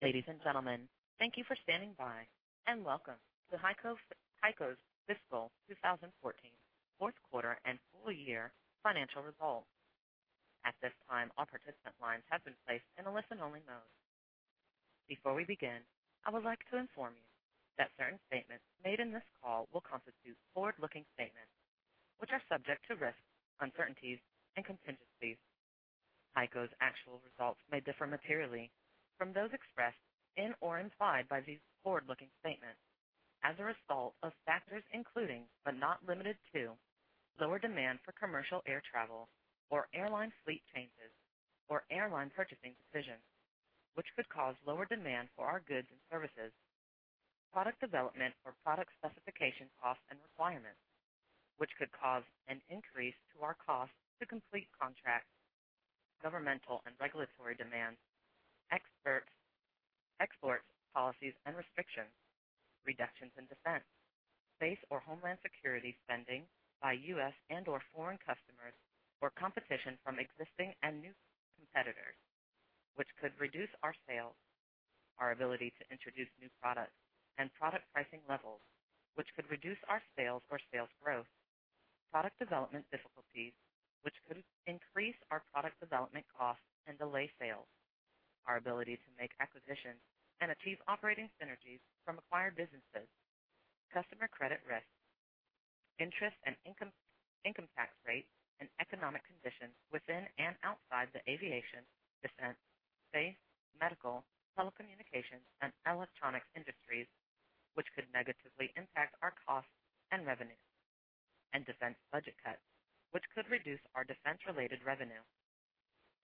Ladies and gentlemen, thank you for standing by, and welcome to HEICO's fiscal 2014 fourth quarter and full year financial results. At this time, all participant lines have been placed in a listen-only mode. Before we begin, I would like to inform you that certain statements made in this call will constitute forward-looking statements, which are subject to risks, uncertainties, and contingencies. HEICO's actual results may differ materially from those expressed in or implied by these forward-looking statements as a result of factors including, but not limited to, lower demand for commercial air travel or airline fleet changes or airline purchasing decisions, which could cause lower demand for our goods and services. Product development or product specification costs and requirements, which could cause an increase to our cost to complete contracts, governmental and regulatory demands, export policies and restrictions, reductions in defense, space or homeland security spending by U.S. and/or foreign customers, or competition from existing and new competitors, which could reduce our sales. Our ability to introduce new products and product pricing levels, which could reduce our sales or sales growth. Product development difficulties, which could increase our product development costs and delay sales. Our ability to make acquisitions and achieve operating synergies from acquired businesses. Customer credit risk, interest, and income tax rates and economic conditions within and outside the aviation, defense, space, medical, telecommunications, and electronics industries, which could negatively impact our costs and revenue. Defense budget cuts, which could reduce our defense-related revenue.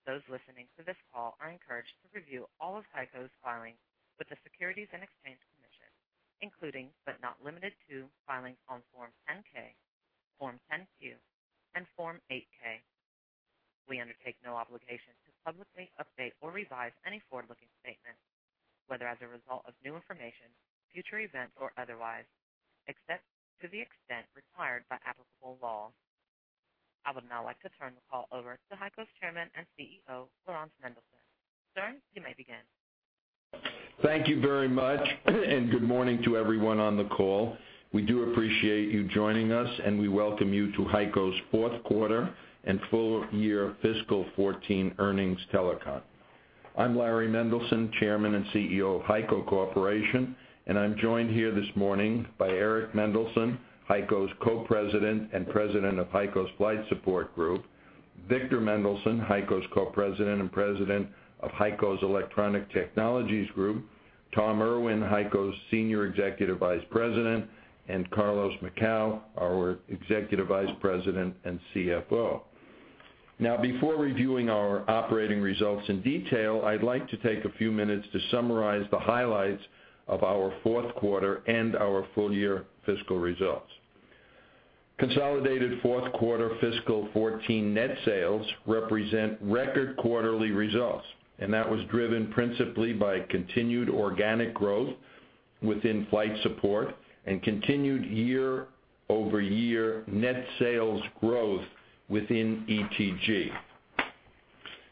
Those listening to this call are encouraged to review all of HEICO's filings with the Securities and Exchange Commission, including, but not limited to, filings on Form 10-K, Form 10-Q, and Form 8-K. We undertake no obligation to publicly update or revise any forward-looking statement, whether as a result of new information, future events, or otherwise, except to the extent required by applicable law. I would now like to turn the call over to HEICO's Chairman and CEO, Laurans Mendelson. Sir, you may begin. Thank you very much. Good morning to everyone on the call. We do appreciate you joining us, and we welcome you to HEICO's fourth quarter and full year fiscal 2014 earnings telecon. I'm Larry Mendelson, Chairman and CEO of HEICO Corporation, and I'm joined here this morning by Eric Mendelson, HEICO's Co-President and President of HEICO's Flight Support Group, Victor Mendelson, HEICO's Co-President and President of HEICO's Electronic Technologies Group, Tom Irwin, HEICO's Senior Executive Vice President, and Carlos Macau, our Executive Vice President and CFO. Before reviewing our operating results in detail, I'd like to take a few minutes to summarize the highlights of our fourth quarter and our full year fiscal results. Consolidated fourth quarter fiscal 2014 net sales represent record quarterly results, and that was driven principally by continued organic growth within Flight Support and continued year-over-year net sales growth within ETG.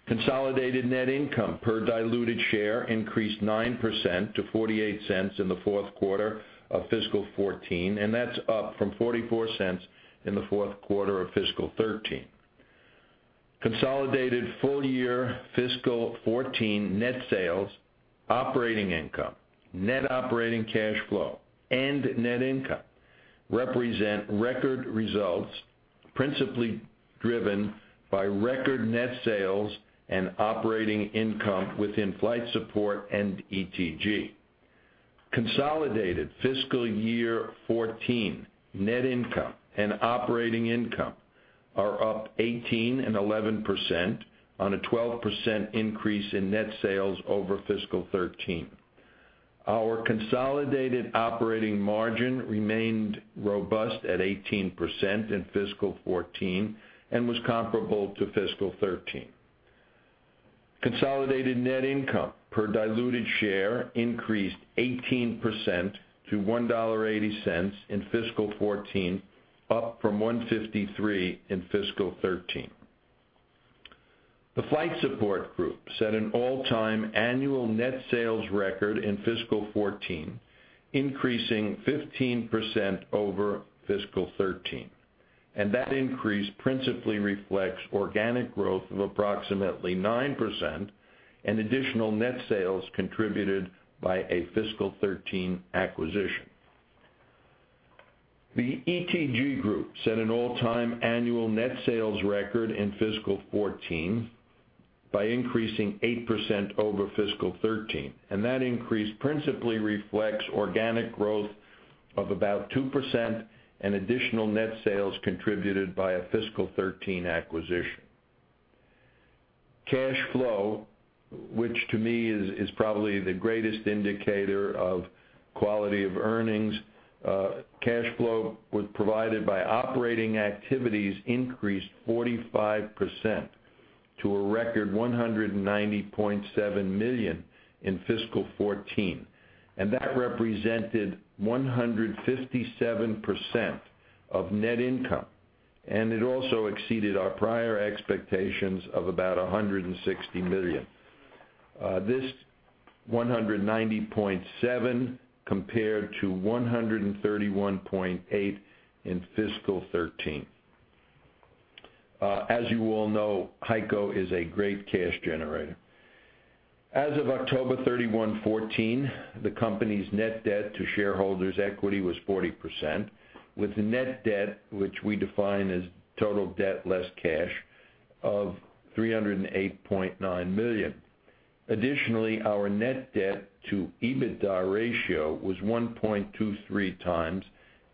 Consolidated net income per diluted share increased 9% to $0.48 in the fourth quarter of fiscal 2014. That's up from $0.44 in the fourth quarter of fiscal 2013. Consolidated full year fiscal 2014 net sales, operating income, net operating cash flow, and net income represent record results principally driven by record net sales and operating income within Flight Support and ETG. Consolidated fiscal year 2014 net income and operating income are up 18% and 11% on a 12% increase in net sales over fiscal 2013. Our consolidated operating margin remained robust at 18% in fiscal 2014 and was comparable to fiscal 2013. Consolidated net income per diluted share increased 18% to $1.80 in fiscal 2014, up from $1.53 in fiscal 2013. The Flight Support Group set an all-time annual net sales record in fiscal 2014, increasing 15% over fiscal 2013. That increase principally reflects organic growth of approximately 9% and additional net sales contributed by a fiscal 2013 acquisition. The ETG Group set an all-time annual net sales record in fiscal 2014 by increasing 8% over fiscal 2013. That increase principally reflects organic growth of about 2% and additional net sales contributed by a fiscal 2013 acquisition. Cash flow, which to me is probably the greatest indicator of quality of earnings. Cash flow provided by operating activities increased 45% to a record $190.7 million in fiscal 2014. That represented 157% of net income. It also exceeded our prior expectations of about $160 million. This $190.7 million compared to $131.8 million in fiscal 2013. As you all know, HEICO is a great cash generator. As of October 31, 2014, the company's net debt to shareholders' equity was 40%, with net debt, which we define as total debt less cash, of $308.9 million. Additionally, our net debt to EBITDA ratio was 1.23 times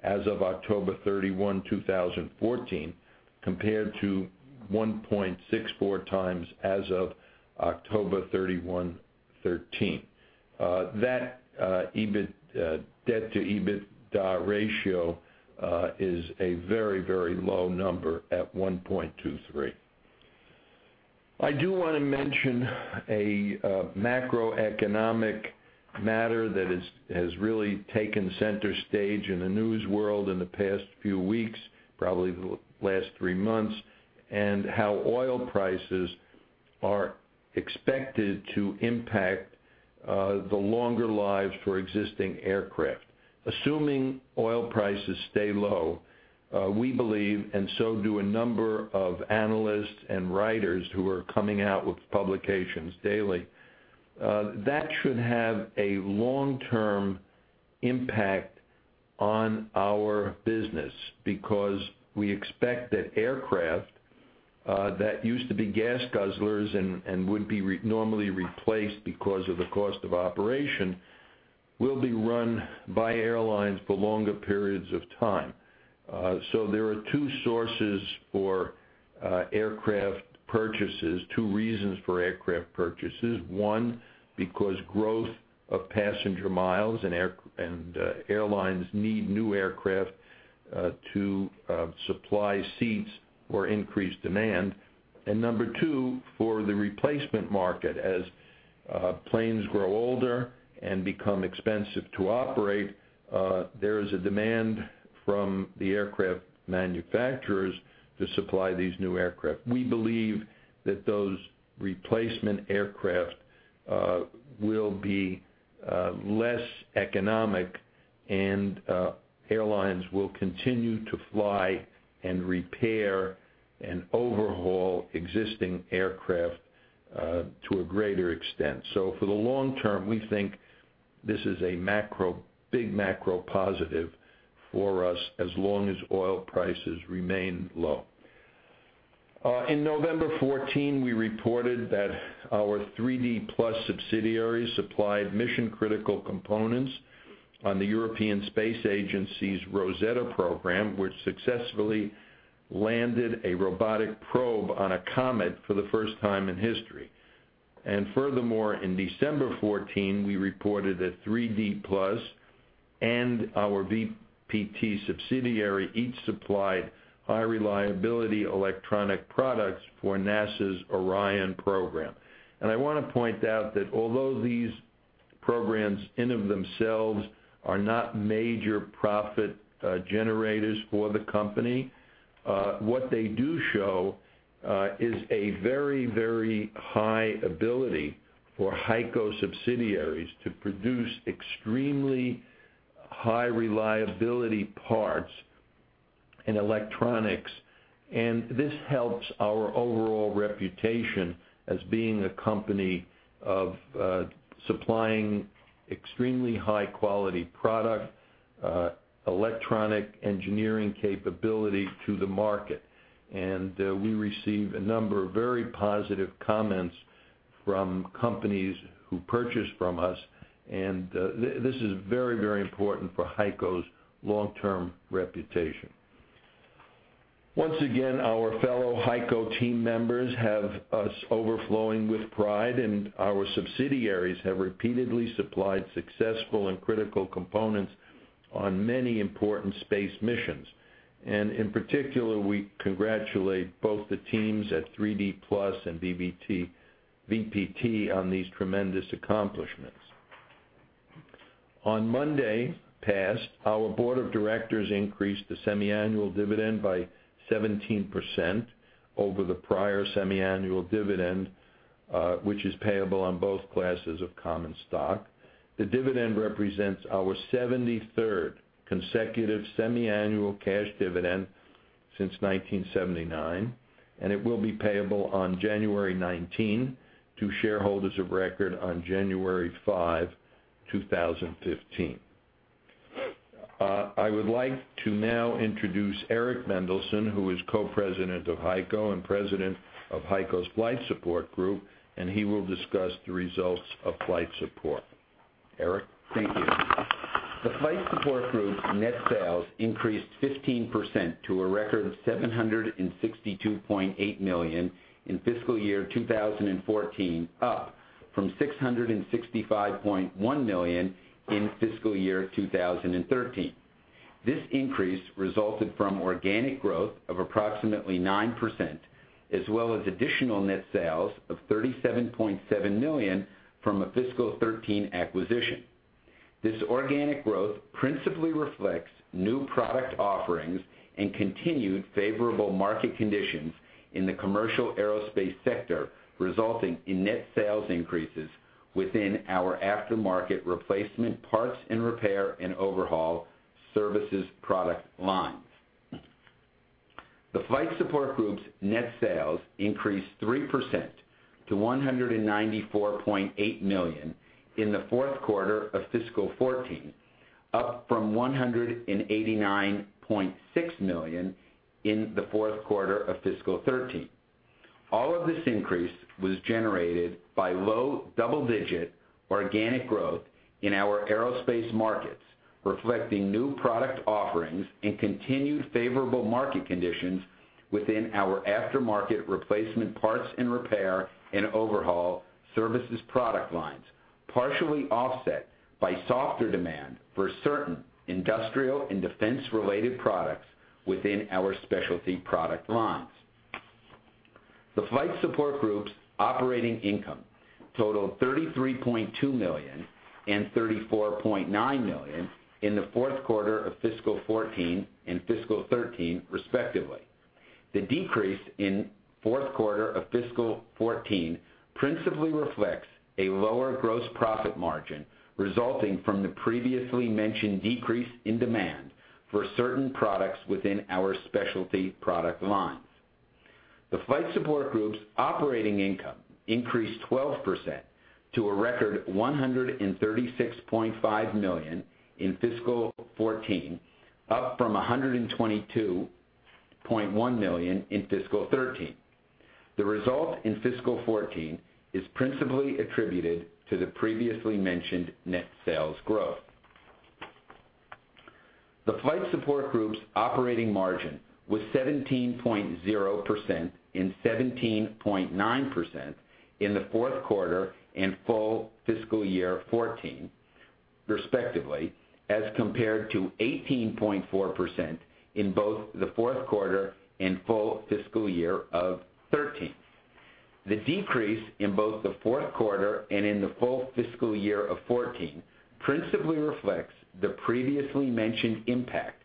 as of October 31, 2014, compared to 1.64 times as of October 31, 2013. That debt to EBITDA ratio is a very, very low number at 1.23. I do want to mention a macroeconomic matter that has really taken center stage in the news world in the past few weeks, probably the last three months. How oil prices are expected to impact the longer lives for existing aircraft. Assuming oil prices stay low, we believe, so do a number of analysts and writers who are coming out with publications daily, that should have a long-term impact on our business because we expect that aircraft that used to be gas guzzlers and would be normally replaced because of the cost of operation, will be run by airlines for longer periods of time. There are two sources for aircraft purchases, two reasons for aircraft purchases. One, because growth of passenger miles and airlines need new aircraft to supply seats for increased demand. Number two, for the replacement market. As planes grow older and become expensive to operate, there is a demand from the aircraft manufacturers to supply these new aircraft. We believe that those replacement aircraft will be less economic and airlines will continue to fly and repair and overhaul existing aircraft to a greater extent. For the long term, we think this is a big macro positive for us as long as oil prices remain low. In November 2014, we reported that our 3D Plus subsidiary supplied mission-critical components on the European Space Agency's Rosetta program, which successfully landed a robotic probe on a comet for the first time in history. Furthermore, in December 2014, we reported that 3D Plus and our VPT subsidiary each supplied high-reliability electronic products for NASA's Orion program. I want to point out that although these programs in of themselves are not major profit generators for the company, what they do show is a very, very high ability for HEICO subsidiaries to produce extremely high-reliability parts and electronics. This helps our overall reputation as being a company of supplying extremely high-quality product, electronic engineering capability to the market. We receive a number of very positive comments from companies who purchase from us, and this is very, very important for HEICO's long-term reputation. Once again, our fellow HEICO team members have us overflowing with pride, and our subsidiaries have repeatedly supplied successful and critical components on many important space missions. In particular, we congratulate both the teams at 3D Plus and VPT on these tremendous accomplishments. On Monday past, our board of directors increased the semiannual dividend by 17% over the prior semiannual dividend, which is payable on both classes of common stock. The dividend represents our 73rd consecutive semiannual cash dividend since 1979, and it will be payable on January 19 to shareholders of record on January 5, 2015. I would like to now introduce Eric Mendelson, who is Co-President of HEICO and President of HEICO's Flight Support Group, and he will discuss the results of Flight Support. Eric? Thank you. The Flight Support Group's net sales increased 15% to a record $762.8 million in fiscal year 2014, up from $665.1 million in fiscal year 2013. This increase resulted from organic growth of approximately 9%, as well as additional net sales of $37.7 million from a fiscal 2013 acquisition. This organic growth principally reflects new product offerings and continued favorable market conditions in the commercial aerospace sector, resulting in net sales increases within our aftermarket replacement parts and repair and overhaul services product lines. The Flight Support Group's net sales increased 3% to $194.8 million in the fourth quarter of fiscal 2014, up from $189.6 million in the fourth quarter of fiscal 2013. All of this increase was generated by low double-digit organic growth in our aerospace markets, reflecting new product offerings and continued favorable market conditions within our aftermarket replacement parts and repair and overhaul services product lines, partially offset by softer demand for certain industrial and defense-related products within our Specialty Products Group. The Flight Support Group's operating income totaled $33.2 million and $34.9 million in the fourth quarter of fiscal 2014 and fiscal 2013, respectively. The decrease in fourth quarter of fiscal 2014 principally reflects a lower gross profit margin resulting from the previously mentioned decrease in demand for certain products within our Specialty Products Group. The Flight Support Group's operating income increased 12% to a record $136.5 million in fiscal 2014, up from $122.1 million in fiscal 2013. The result in fiscal 2014 is principally attributed to the previously mentioned net sales growth. The Flight Support Group's operating margin was 17.0% and 17.9% in the fourth quarter and full fiscal year 2014, respectively, as compared to 18.4% in both the fourth quarter and full fiscal year of 2013. The decrease in both the fourth quarter and in the full fiscal year of 2014 principally reflects the previously mentioned impact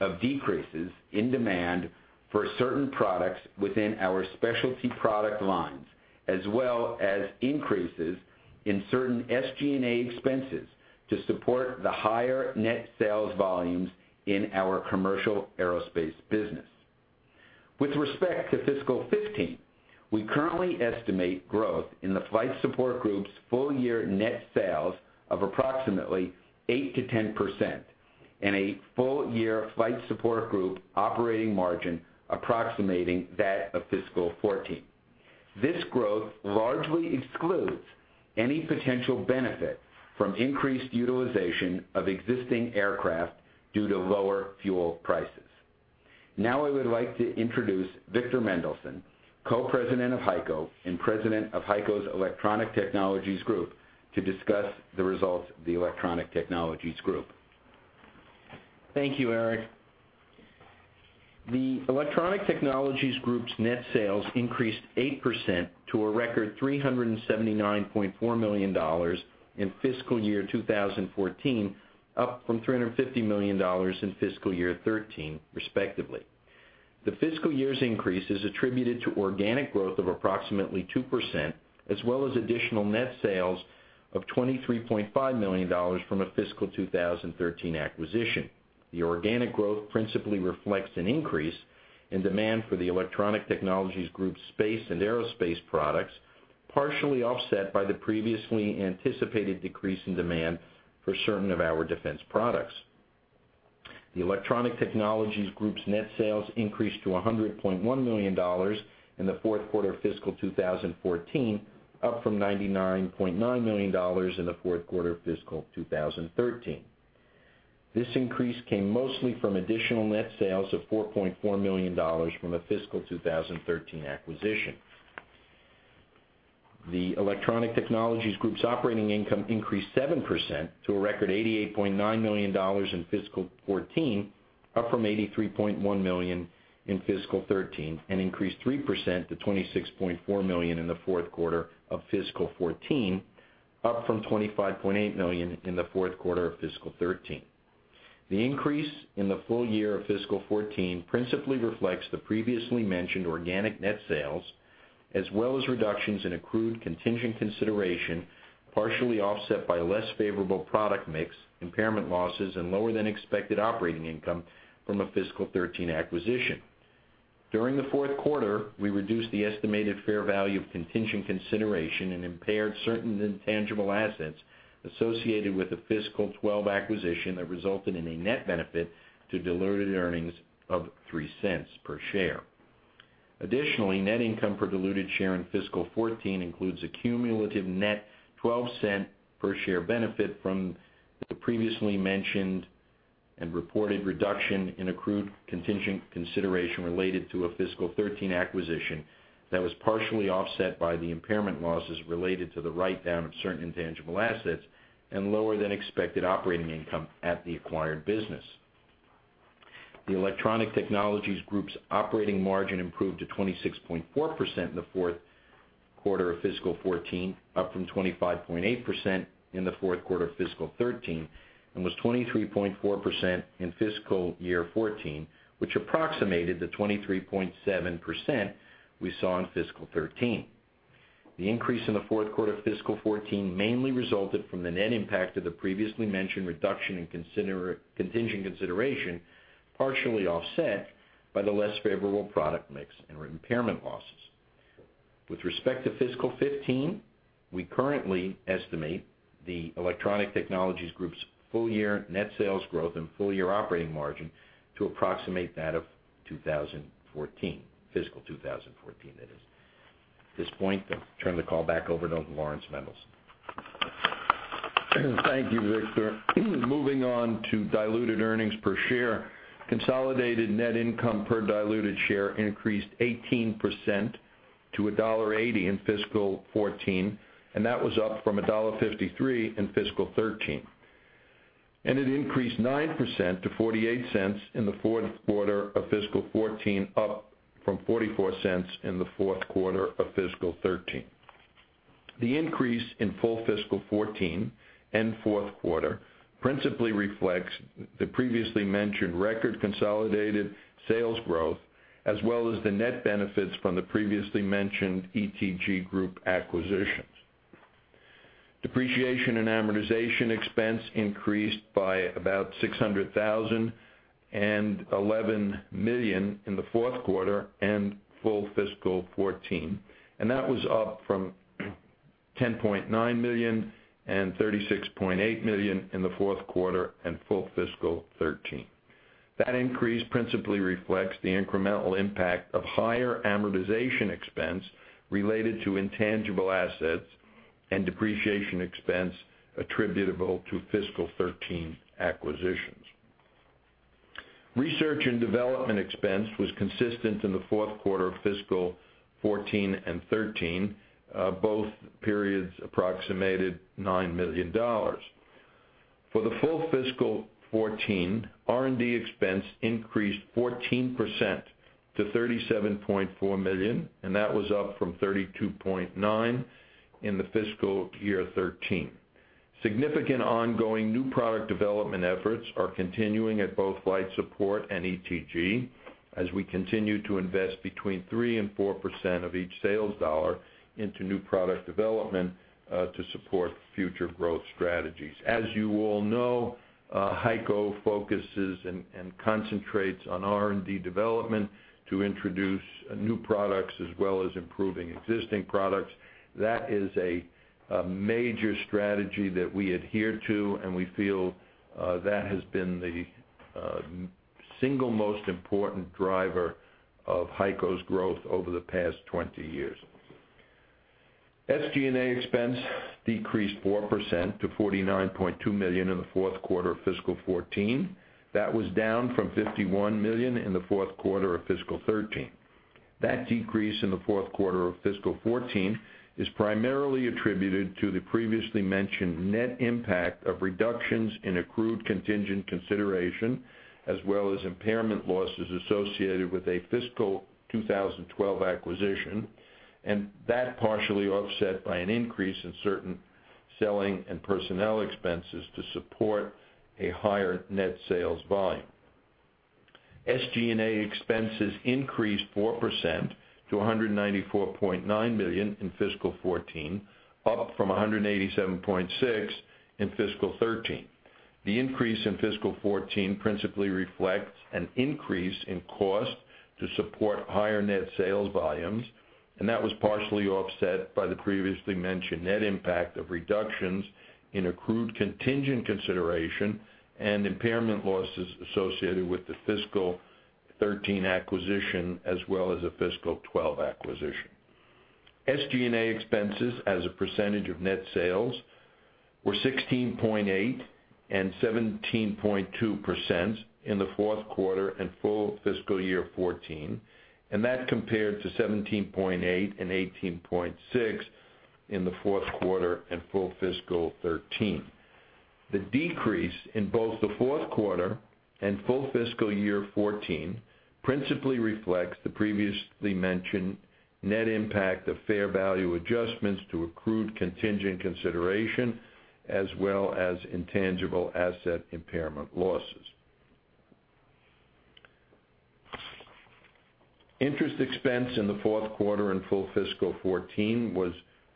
of decreases in demand for certain products within our Specialty Products Group, as well as increases in certain SG&A expenses to support the higher net sales volumes in our commercial aerospace business. With respect to fiscal 2015, we currently estimate growth in the Flight Support Group's full-year net sales of approximately 8%-10% and a full-year Flight Support Group operating margin approximating that of fiscal 2014. This growth largely excludes any potential benefit from increased utilization of existing aircraft due to lower fuel prices. I would like to introduce Victor Mendelson, Co-President of HEICO and President of HEICO's Electronic Technologies Group, to discuss the results of the Electronic Technologies Group. Thank you, Eric. The Electronic Technologies Group's net sales increased 8% to a record $379.4 million in fiscal year 2014, up from $350 million in fiscal year 2013, respectively. The fiscal year's increase is attributed to organic growth of approximately 2%, as well as additional net sales of $23.5 million from a fiscal 2013 acquisition. The organic growth principally reflects an increase in demand for the Electronic Technologies Group's space and aerospace products, partially offset by the previously anticipated decrease in demand for certain of our defense products. The Electronic Technologies Group's net sales increased to $100.1 million in the fourth quarter of fiscal 2014, up from $99.9 million in the fourth quarter of fiscal 2013. This increase came mostly from additional net sales of $4.4 million from a fiscal 2013 acquisition. The Electronic Technologies Group's operating income increased 7% to a record $88.9 million in fiscal 2014, up from $83.1 million in fiscal 2013, and increased 3% to $26.4 million in the fourth quarter of fiscal 2014, up from $25.8 million in the fourth quarter of fiscal 2013. The increase in the full year of fiscal 2014 principally reflects the previously mentioned organic net sales, as well as reductions in accrued contingent consideration, partially offset by less favorable product mix, impairment losses, and lower than expected operating income from a fiscal 2013 acquisition. During the fourth quarter, we reduced the estimated fair value of contingent consideration and impaired certain intangible assets associated with the fiscal 2012 acquisition that resulted in a net benefit to diluted earnings of $0.03 per share. Additionally, net income per diluted share in fiscal 2014 includes a cumulative net $0.12 per share benefit from the previously mentioned and reported reduction in accrued contingent consideration related to a fiscal 2013 acquisition that was partially offset by the impairment losses related to the write-down of certain intangible assets and lower than expected operating income at the acquired business. The Electronic Technologies Group's operating margin improved to 26.4% in the fourth quarter of fiscal 2014, up from 25.8% in the fourth quarter of fiscal 2013, and was 23.4% in fiscal year 2014, which approximated the 23.7% we saw in fiscal 2013. The increase in the fourth quarter of fiscal 2014 mainly resulted from the net impact of the previously mentioned reduction in contingent consideration, partially offset by the less favorable product mix and impairment losses. With respect to fiscal 2015, we currently estimate the Electronic Technologies Group's full-year net sales growth and full-year operating margin to approximate that of 2014, fiscal 2014, that is. At this point, I'll turn the call back over to Laurans Mendelson. Thank you, Victor. Moving on to diluted earnings per share. Consolidated net income per diluted share increased 18% to $1.80 in fiscal 2014. That was up from $1.53 in fiscal 2013. It increased 9% to $0.48 in the fourth quarter of fiscal 2014, up from $0.44 in the fourth quarter of fiscal 2013. The increase in full fiscal 2014 and fourth quarter principally reflects the previously mentioned record consolidated sales growth, as well as the net benefits from the previously mentioned ETG Group acquisitions. Depreciation and amortization expense increased by about $600,000 and $11 million in the fourth quarter and full fiscal 2014. That was up from $10.9 million and $36.8 million in the fourth quarter and full fiscal 2013. That increase principally reflects the incremental impact of higher amortization expense related to intangible assets and depreciation expense attributable to fiscal 2013 acquisitions. Research and development expense was consistent in the fourth quarter of fiscal 2014 and 2013. Both periods approximated $9 million. For the full fiscal 2014, R&D expense increased 14% to $37.4 million. That was up from $32.9 million in the fiscal year 2013. Significant ongoing new product development efforts are continuing at both Flight Support and ETG as we continue to invest between 3% and 4% of each sales dollar into new product development to support future growth strategies. As you all know, HEICO focuses and concentrates on R&D development to introduce new products as well as improving existing products. That is a major strategy that we adhere to, and we feel that has been the single most important driver of HEICO's growth over the past 20 years. SG&A expense decreased 4% to $49.2 million in the fourth quarter of fiscal 2014. That was down from $51 million in the fourth quarter of fiscal 2013. That decrease in the fourth quarter of fiscal 2014 is primarily attributed to the previously mentioned net impact of reductions in accrued contingent consideration, as well as impairment losses associated with a fiscal 2012 acquisition, and that partially offset by an increase in certain selling and personnel expenses to support a higher net sales volume. SG&A expenses increased 4% to $194.9 million in fiscal 2014, up from $187.6 million in fiscal 2013. The increase in fiscal 2014 principally reflects an increase in cost to support higher net sales volumes, and that was partially offset by the previously mentioned net impact of reductions in accrued contingent consideration and impairment losses associated with the fiscal 2013 acquisition, as well as a fiscal 2012 acquisition. SG&A expenses as a percentage of net sales were 16.8% and 17.2% in the fourth quarter and full fiscal year 2014, and that compared to 17.8% and 18.6% in the fourth quarter and full fiscal 2013. The decrease in both the fourth quarter and full fiscal year 2014 principally reflects the previously mentioned net impact of fair value adjustments to accrued contingent consideration, as well as intangible asset impairment losses. Interest expense in the fourth quarter and full fiscal 2014 was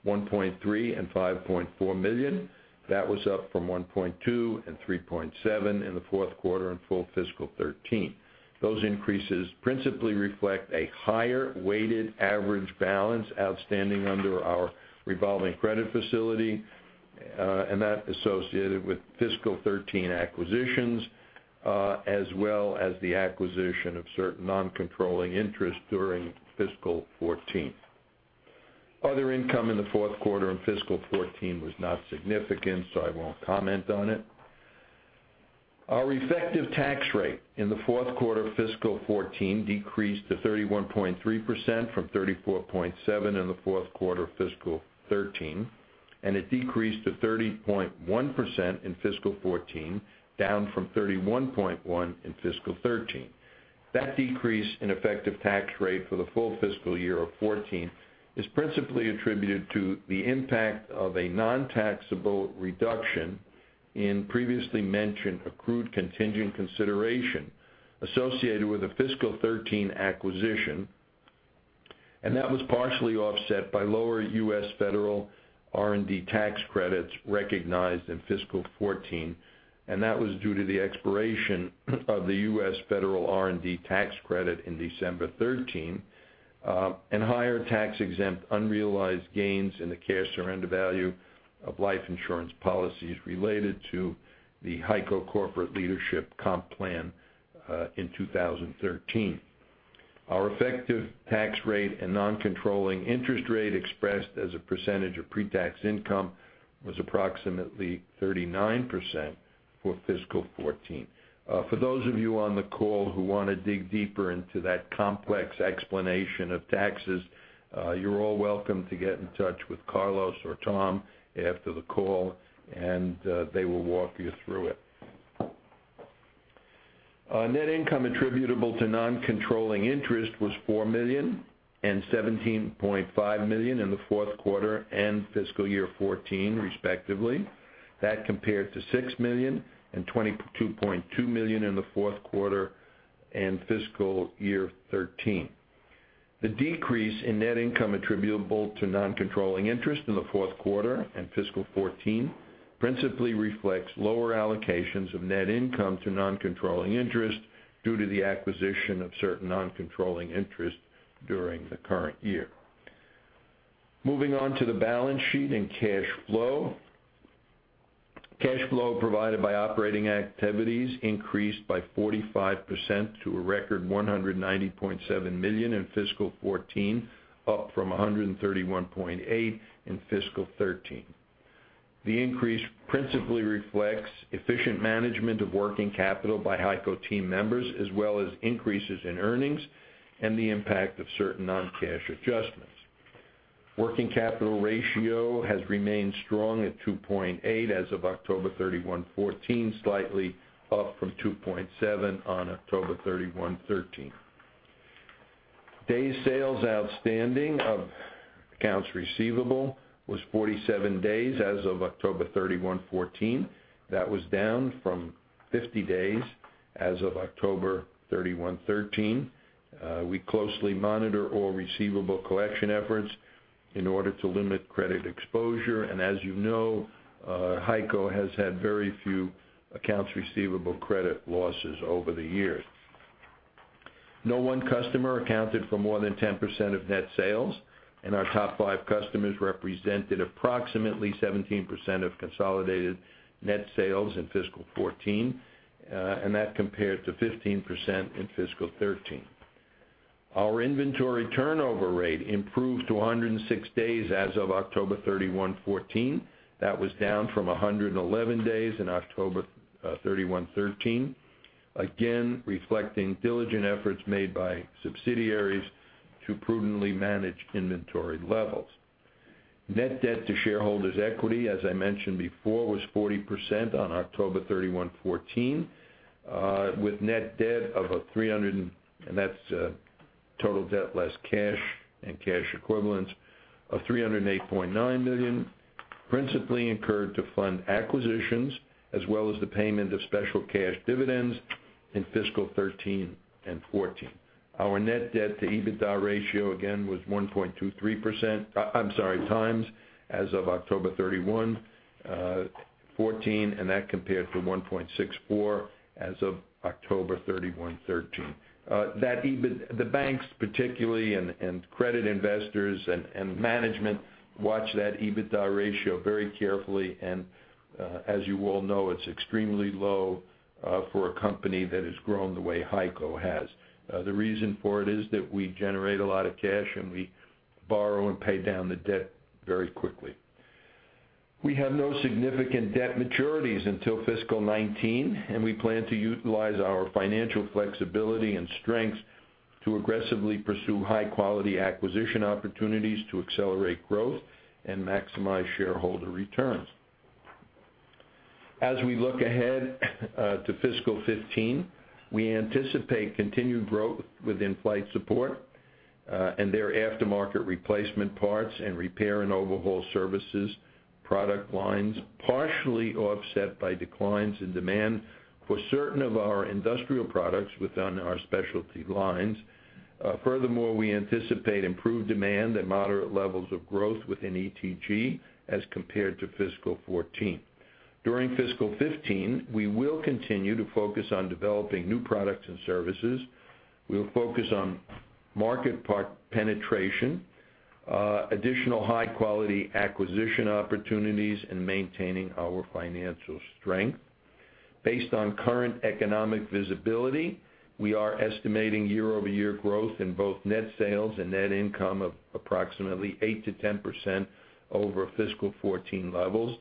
$1.3 million and $5.4 million. That was up from $1.2 million and $3.7 million in the fourth quarter and full fiscal 2013. Those increases principally reflect a higher weighted average balance outstanding under our revolving credit facility, and that associated with fiscal 2013 acquisitions, as well as the acquisition of certain non-controlling interests during fiscal 2014. Other income in the fourth quarter in fiscal 2014 was not significant, so I won't comment on it. Our effective tax rate in the fourth quarter of fiscal 2014 decreased to 31.3% from 34.7% in the fourth quarter of fiscal 2013, and it decreased to 30.1% in fiscal 2014, down from 31.1% in fiscal 2013. That decrease in effective tax rate for the full fiscal year of 2014 is principally attributed to the impact of a non-taxable reduction in previously mentioned accrued contingent consideration associated with the fiscal 2013 acquisition, and that was partially offset by lower U.S. federal R&D tax credits recognized in fiscal 2014. That was due to the expiration of the U.S. federal R&D tax credit in December 2013, and higher tax-exempt unrealized gains in the cash surrender value of life insurance policies related to the HEICO corporate leadership comp plan in 2013. Our effective tax rate and non-controlling interest rate expressed as a percentage of pre-tax income was approximately 39% for fiscal 2014. For those of you on the call who want to dig deeper into that complex explanation of taxes, you are all welcome to get in touch with Carlos or Tom after the call, and they will walk you through it. Net income attributable to non-controlling interest was $4 million and $17.5 million in the fourth quarter and fiscal year 2014, respectively. That compared to $6 million and $22.2 million in the fourth quarter and fiscal year 2013. The decrease in net income attributable to non-controlling interest in the fourth quarter and fiscal 2014 principally reflects lower allocations of net income to non-controlling interest due to the acquisition of certain non-controlling interest during the current year. Moving on to the balance sheet and cash flow. Cash flow provided by operating activities increased by 45% to a record $190.7 million in fiscal 2014, up from $131.8 million in fiscal 2013. The increase principally reflects efficient management of working capital by HEICO team members, as well as increases in earnings and the impact of certain non-cash adjustments. Working capital ratio has remained strong at 2.8 as of October 31, 2014, slightly up from 2.7 on October 31, 2013. Days sales outstanding of accounts receivable was 47 days as of October 31, 2014. That was down from 50 days as of October 31, 2013. We closely monitor all receivable collection efforts in order to limit credit exposure, and as you know, HEICO has had very few accounts receivable credit losses over the years. No one customer accounted for more than 10% of net sales, and our top five customers represented approximately 17% of consolidated net sales in fiscal 2014, and that compared to 15% in fiscal 2013. Our inventory turnover rate improved to 106 days as of October 31, 2014. That was down from 111 days in October 31, 2013, again, reflecting diligent efforts made by subsidiaries to prudently manage inventory levels. Net debt to shareholders' equity, as I mentioned before, was 40% on October 31, 2014 with net debt of $308.9 million principally incurred to fund acquisitions as well as the payment of special cash dividends in fiscal 2013 and 2014. Our net debt to EBITDA ratio again was 1.23 times as of October 31, 2014, and that compared to 1.64 times as of October 31, 2013. The banks particularly and credit investors and management watch that EBITDA ratio very carefully, and as you all know, it is extremely low for a company that has grown the way HEICO has. The reason for it is that we generate a lot of cash, and we borrow and pay down the debt very quickly. We have no significant debt maturities until fiscal 2019, and we plan to utilize our financial flexibility and strengths to aggressively pursue high-quality acquisition opportunities to accelerate growth and maximize shareholder returns. As we look ahead to fiscal 2015, we anticipate continued growth within flight support and their aftermarket replacement parts and repair and overhaul services product lines, partially offset by declines in demand for certain of our industrial products within our specialty lines. Furthermore, we anticipate improved demand and moderate levels of growth within ETG as compared to fiscal 2014. During fiscal 2015, we will continue to focus on developing new products and services. We will focus on market penetration, additional high-quality acquisition opportunities, and maintaining our financial strength. Based on current economic visibility, we are estimating year-over-year growth in both net sales and net income of approximately 8%-10% over fiscal 2014 levels,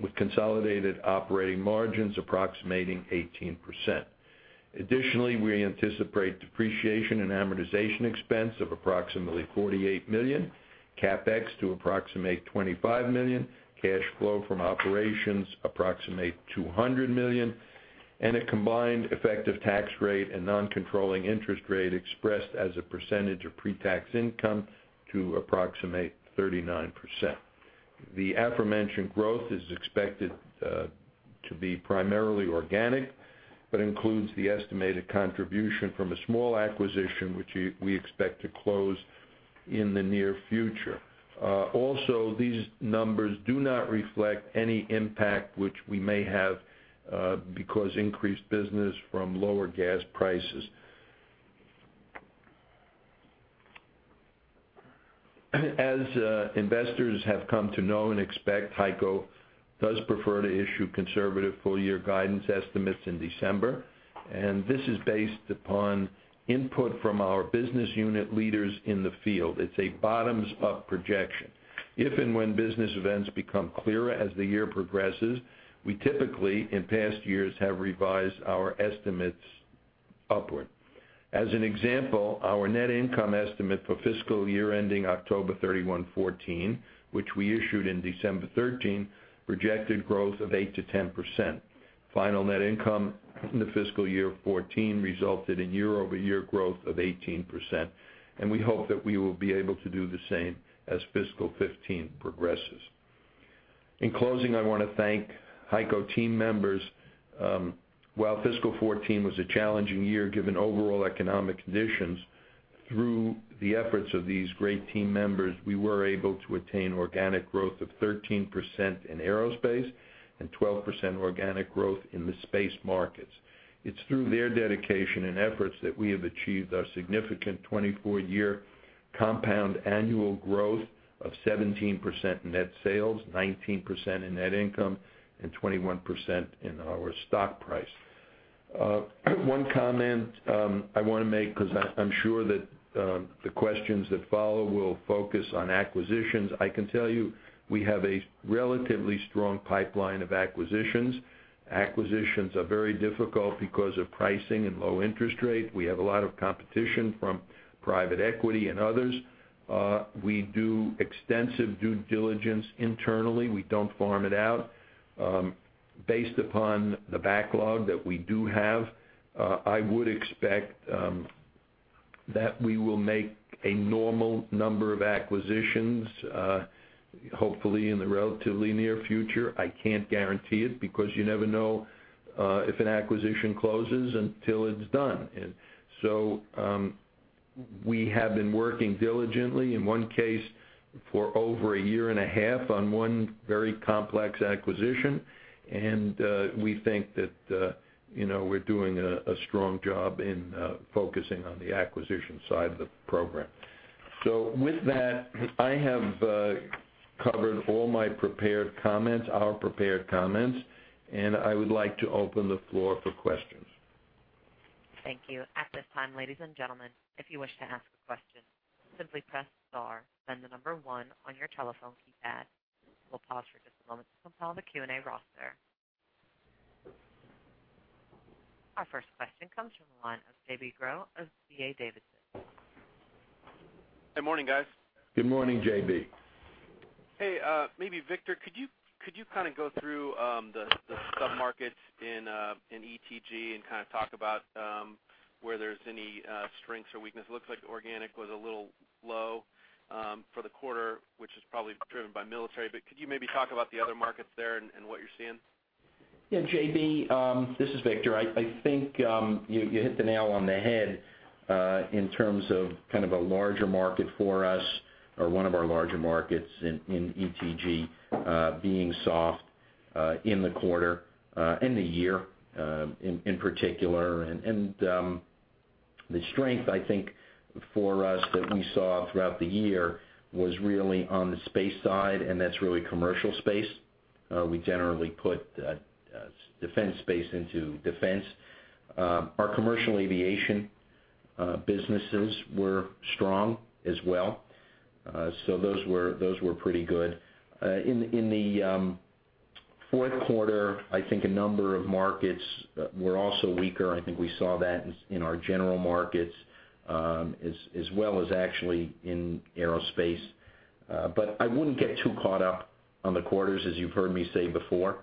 with consolidated operating margins approximating 18%. Additionally, we anticipate depreciation and amortization expense of approximately $48 million, CapEx to approximate $25 million, cash flow from operations approximate $200 million, and a combined effective tax rate and non-controlling interest rate expressed as a percentage of pre-tax income to approximate 39%. The aforementioned growth is expected to be primarily organic, but includes the estimated contribution from a small acquisition, which we expect to close in the near future. These numbers do not reflect any impact which we may have because increased business from lower gas prices. As investors have come to know and expect, HEICO does prefer to issue conservative full-year guidance estimates in December. This is based upon input from our business unit leaders in the field. It's a bottoms-up projection. If and when business events become clearer as the year progresses, we typically, in past years, have revised our estimates upward. As an example, our net income estimate for fiscal year ending October 31, 2014, which we issued in December 2013, projected growth of 8%-10%. Final net income in the fiscal year 2014 resulted in year-over-year growth of 18%. We hope that we will be able to do the same as fiscal 2015 progresses. In closing, I want to thank HEICO team members. While fiscal 2014 was a challenging year, given overall economic conditions, through the efforts of these great team members, we were able to attain organic growth of 13% in aerospace and 12% organic growth in the space markets. It's through their dedication and efforts that we have achieved our significant 24-year compound annual growth of 17% net sales, 19% in net income, and 21% in our stock price. One comment I want to make, because I'm sure that the questions that follow will focus on acquisitions. I can tell you we have a relatively strong pipeline of acquisitions. Acquisitions are very difficult because of pricing and low interest rate. We have a lot of competition from private equity and others. We do extensive due diligence internally. We don't farm it out. Based upon the backlog that we do have, I would expect that we will make a normal number of acquisitions, hopefully in the relatively near future. I can't guarantee it, because you never know if an acquisition closes until it's done. We have been working diligently, in one case for over a year and a half on one very complex acquisition. We think that we're doing a strong job in focusing on the acquisition side of the program. With that, I have covered all my prepared comments, our prepared comments. I would like to open the floor for questions. Thank you. At this time, ladies and gentlemen, if you wish to ask a question, simply press star, then the number 1 on your telephone keypad. We'll pause for just a moment to compile the Q&A roster. Our first question comes from the line of J.B. Groh of DA Davidson. Good morning, guys. Good morning, J.B. Hey, maybe Victor, could you kind of go through the sub-markets in ETG and kind of talk about where there's any strengths or weakness? Looks like organic was a little low for the quarter, which is probably driven by military. Could you maybe talk about the other markets there and what you're seeing? Yeah, J.B., this is Victor. I think you hit the nail on the head in terms of kind of a larger market for us or one of our larger markets in ETG being soft in the quarter, in the year in particular. The strength, I think for us that we saw throughout the year was really on the space side, and that's really commercial space. We generally put defense space into defense. Our commercial aviation businesses were strong as well. Those were pretty good. In the fourth quarter, I think a number of markets were also weaker. I think we saw that in our general markets as well as actually in aerospace. I wouldn't get too caught up on the quarters, as you've heard me say before.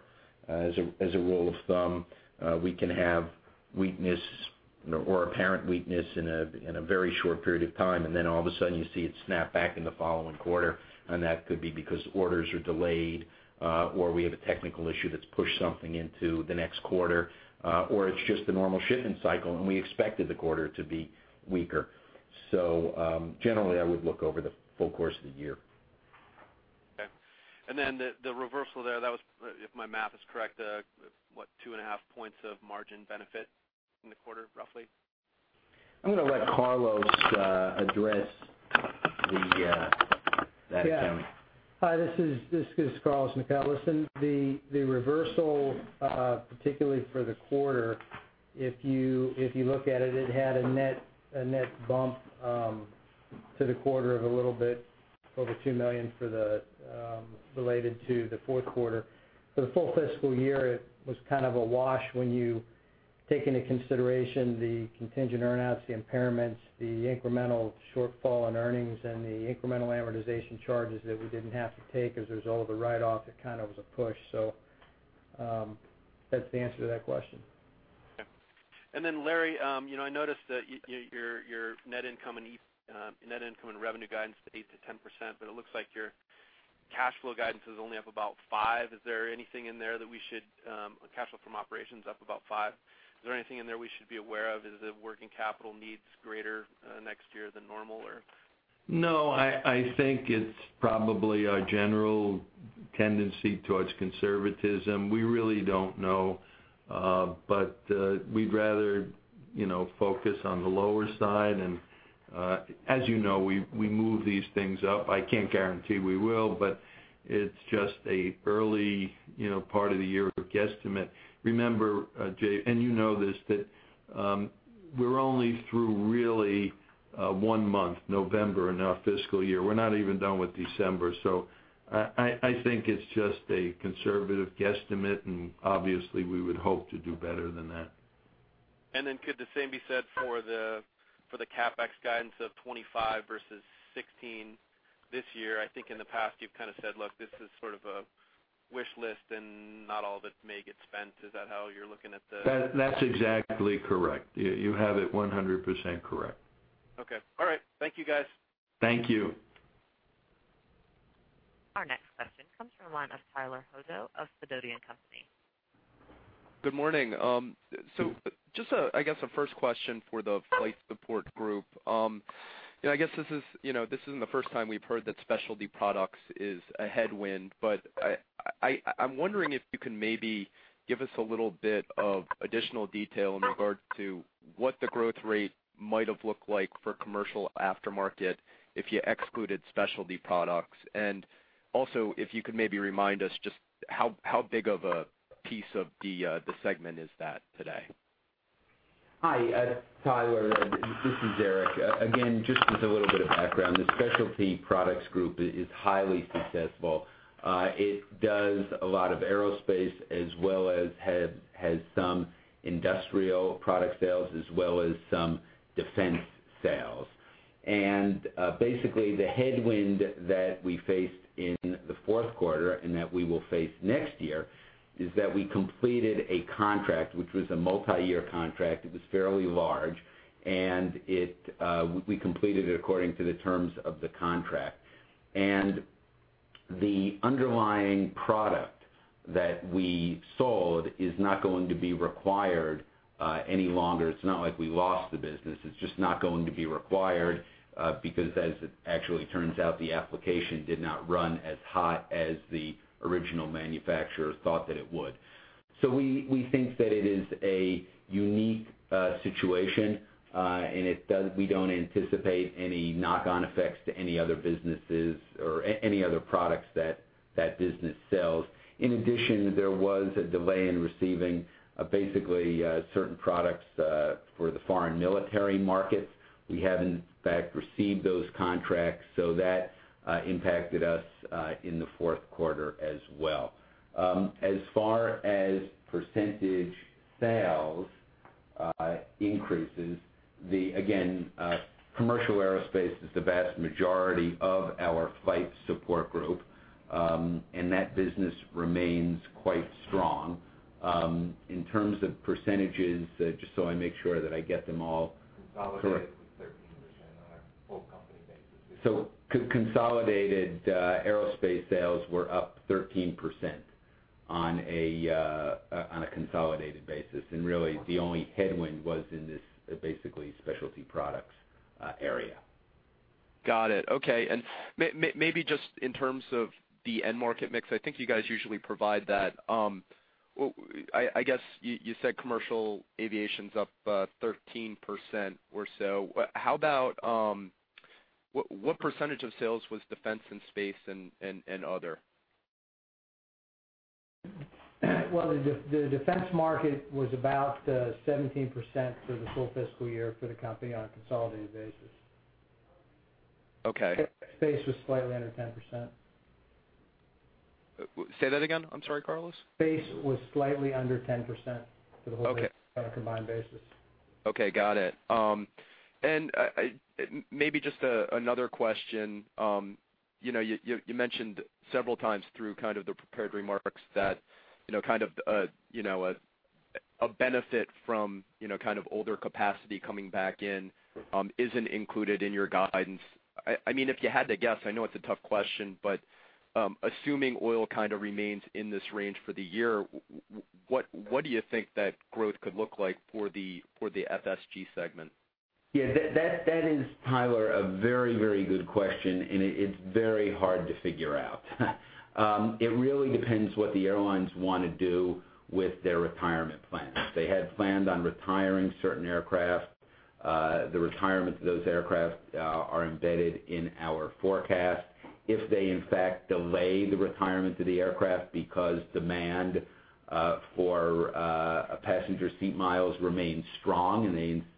As a rule of thumb, we can have weakness or apparent weakness in a very short period of time. Then all of a sudden you see it snap back in the following quarter, and that could be because orders are delayed, or we have a technical issue that's pushed something into the next quarter, or it's just a normal shipping cycle, and we expected the quarter to be weaker. Generally, I would look over the full course of the year. Okay. Then the reversal there, that was, if my math is correct, what, two and a half points of margin benefit in the quarter, roughly? I'm going to let Carlos address the Yeah. Hi, this is Carlos Macau. The reversal, particularly for the quarter, if you look at it had a net bump to the quarter of a little bit over $2 million related to the fourth quarter. For the full fiscal year, it was kind of a wash when you take into consideration the contingent earn-outs, the impairments, the incremental shortfall in earnings, and the incremental amortization charges that we didn't have to take as a result of the write-off. It kind of was a push. That's the answer to that question. Okay. Then, Larry, I noticed that your net income and revenue guidance is 8%-10%, but it looks like your cash flow guidance is only up about 5%. Cash flow from operations up about 5%. Is there anything in there we should be aware of? Is the working capital needs greater next year than normal, or? No, I think it's probably a general tendency towards conservatism. We really don't know. We'd rather focus on the lower side. As you know, we move these things up. I can't guarantee we will, but it's just an early part of the year guesstimate. Remember, Jay, and you know this, that we're only through one month, November, in our fiscal year. We're not even done with December. I think it's just a conservative guesstimate, and obviously we would hope to do better than that. Then could the same be said for the CapEx guidance of 25 versus 16 this year? I think in the past you've kind of said, "Look, this is sort of a wish list and not all of it may get spent." Is that how you're looking at the? That's exactly correct. You have it 100% correct. Okay. All right. Thank you, guys. Thank you. Our next question comes from the line of Tyler Hojo of Sidoti & Company. Good morning. Just, I guess a first question for the Flight Support Group. I guess this isn't the first time we've heard that specialty products is a headwind, but I'm wondering if you can maybe give us a little bit of additional detail in regard to what the growth rate might have looked like for commercial aftermarket if you excluded specialty products. Also, if you could maybe remind us just how big of a piece of the segment is that today. Hi, Tyler, this is Eric. Just as a little bit of background, the Specialty Products Group is highly successful. It does a lot of aerospace as well as has some industrial product sales, as well as some defense sales. Basically, the headwind that we faced in the fourth quarter and that we will face next year is that we completed a contract, which was a multi-year contract. It was fairly large, and we completed it according to the terms of the contract. The underlying product that we sold is not going to be required any longer. It's not like we lost the business. It's just not going to be required, because as it actually turns out, the application did not run as hot as the original manufacturer thought that it would. We think that it is a unique situation, and we don't anticipate any knock-on effects to any other businesses or any other products that that business sells. In addition, there was a delay in receiving, basically, certain products for the foreign military markets. We have, in fact, received those contracts, so that impacted us in the fourth quarter as well. As far as percentage sales increases, commercial aerospace is the vast majority of our Flight Support Group, and that business remains quite strong. In terms of percentages, just so I make sure that I get them all correct. Consolidated was 13% on a whole company basis. Consolidated aerospace sales were up 13% on a consolidated basis, and really the only headwind was in this, basically, specialty products area. Got it. Okay. Maybe just in terms of the end market mix, I think you guys usually provide that. I guess you said commercial aviation's up 13% or so. What percentage of sales was defense and space and other? Well, the defense market was about 17% for the full fiscal year for the company on a consolidated basis. Okay. Space was slightly under 10%. Say that again. I'm sorry, Carlos. Space was slightly under 10% for the whole Okay on a combined basis. Okay, got it. Maybe just another question. You mentioned several times through kind of the prepared remarks that a benefit from older capacity coming back in isn't included in your guidance. If you had to guess, I know it's a tough question, but assuming oil kind of remains in this range for the year, what do you think that growth could look like for the FSG segment? Yeah. That is, Tyler, a very good question, and it's very hard to figure out. It really depends what the airlines want to do with their retirement plans. They had planned on retiring certain aircraft. The retirement of those aircraft are embedded in our forecast. If they, in fact, delay the retirement of the aircraft because demand for passenger seat miles remains strong, and they, in fact,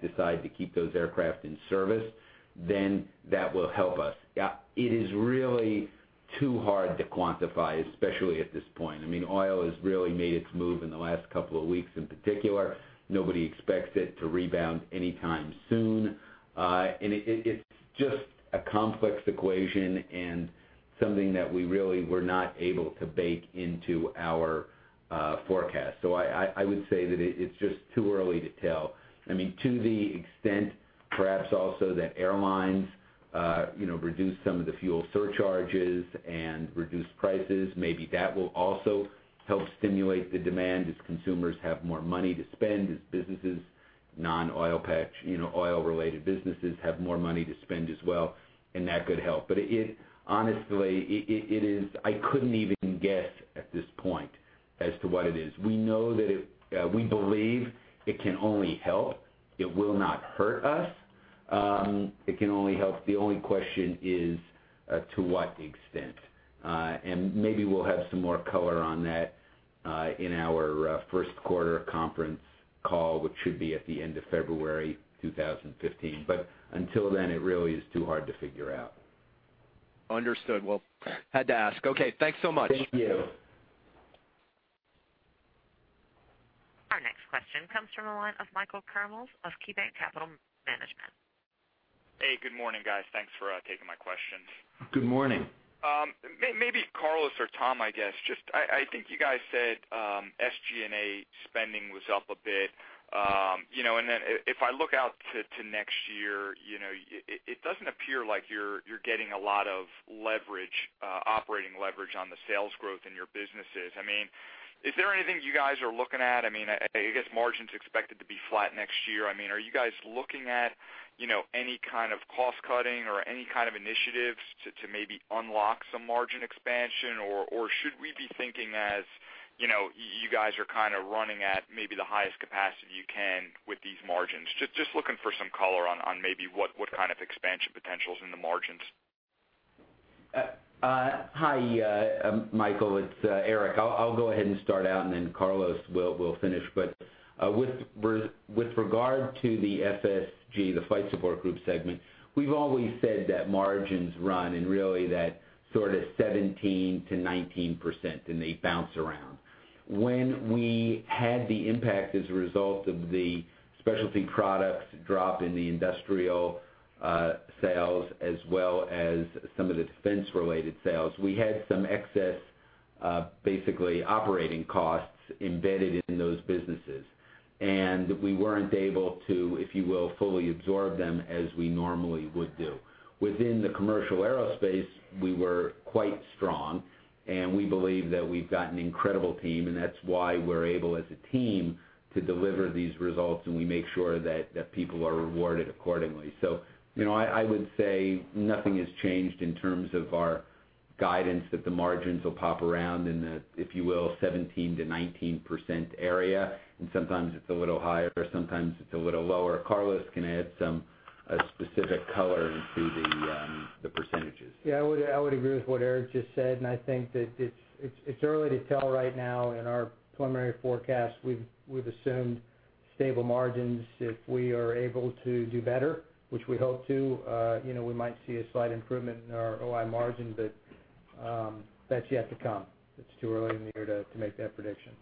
decide to keep those aircraft in service, then that will help us. It is really too hard to quantify, especially at this point. Oil has really made its move in the last couple of weeks in particular. Nobody expects it to rebound anytime soon. It's just a complex equation and something that we really were not able to bake into our forecast. I would say that it's just too early to tell. To the extent, perhaps also that airlines reduce some of the fuel surcharges and reduce prices, maybe that will also help stimulate the demand as consumers have more money to spend, as businesses, non-oil related businesses, have more money to spend as well, and that could help. Honestly, I couldn't even guess at this point as to what it is. We believe it can only help. It will not hurt us. It can only help. The only question is to what extent. Maybe we'll have some more color on that in our first quarter conference call, which should be at the end of February 2015. Until then, it really is too hard to figure out. Understood. Well, had to ask. Okay, thanks so much. Thank you. Our next question comes from the line of Michael Ciarmoli of KeyBanc Capital Markets. Hey, good morning, guys. Thanks for taking my questions. Good morning. Maybe Carlos or Tom, I guess. I think you guys said, SG&A spending was up a bit. If I look out to next year, it doesn't appear like you're getting a lot of leverage, operating leverage on the sales growth in your businesses. Is there anything you guys are looking at? I guess margin's expected to be flat next year. Are you guys looking at any kind of cost-cutting or any kind of initiatives to maybe unlock some margin expansion? Should we be thinking as you guys are kind of running at maybe the highest capacity you can with these margins? Just looking for some color on maybe what kind of expansion potential's in the margins. Hi, Michael. It's Eric. I'll go ahead and start out, and then Carlos will finish. With regard to the FSG, the Flight Support Group segment, we've always said that margins run in really that sort of 17%-19%. They bounce around. When we had the impact as a result of the Specialty Products drop in the industrial sales, as well as some of the defense-related sales, we had some excess, basically operating costs embedded in those businesses. We weren't able to, if you will, fully absorb them as we normally would do. Within the commercial aerospace, we were quite strong, and we believe that we've got an incredible team, and that's why we're able, as a team, to deliver these results, and we make sure that people are rewarded accordingly. I would say nothing has changed in terms of our guidance that the margins will pop around in the, if you will, 17%-19% area, and sometimes it's a little higher, sometimes it's a little lower. Carlos can add some specific color into the percentages. I would agree with what Eric just said, and I think that it's early to tell right now. In our preliminary forecast, we've assumed stable margins. If we are able to do better, which we hope to, we might see a slight improvement in our OI margin, but that's yet to come. It's too early in the year to make that prediction.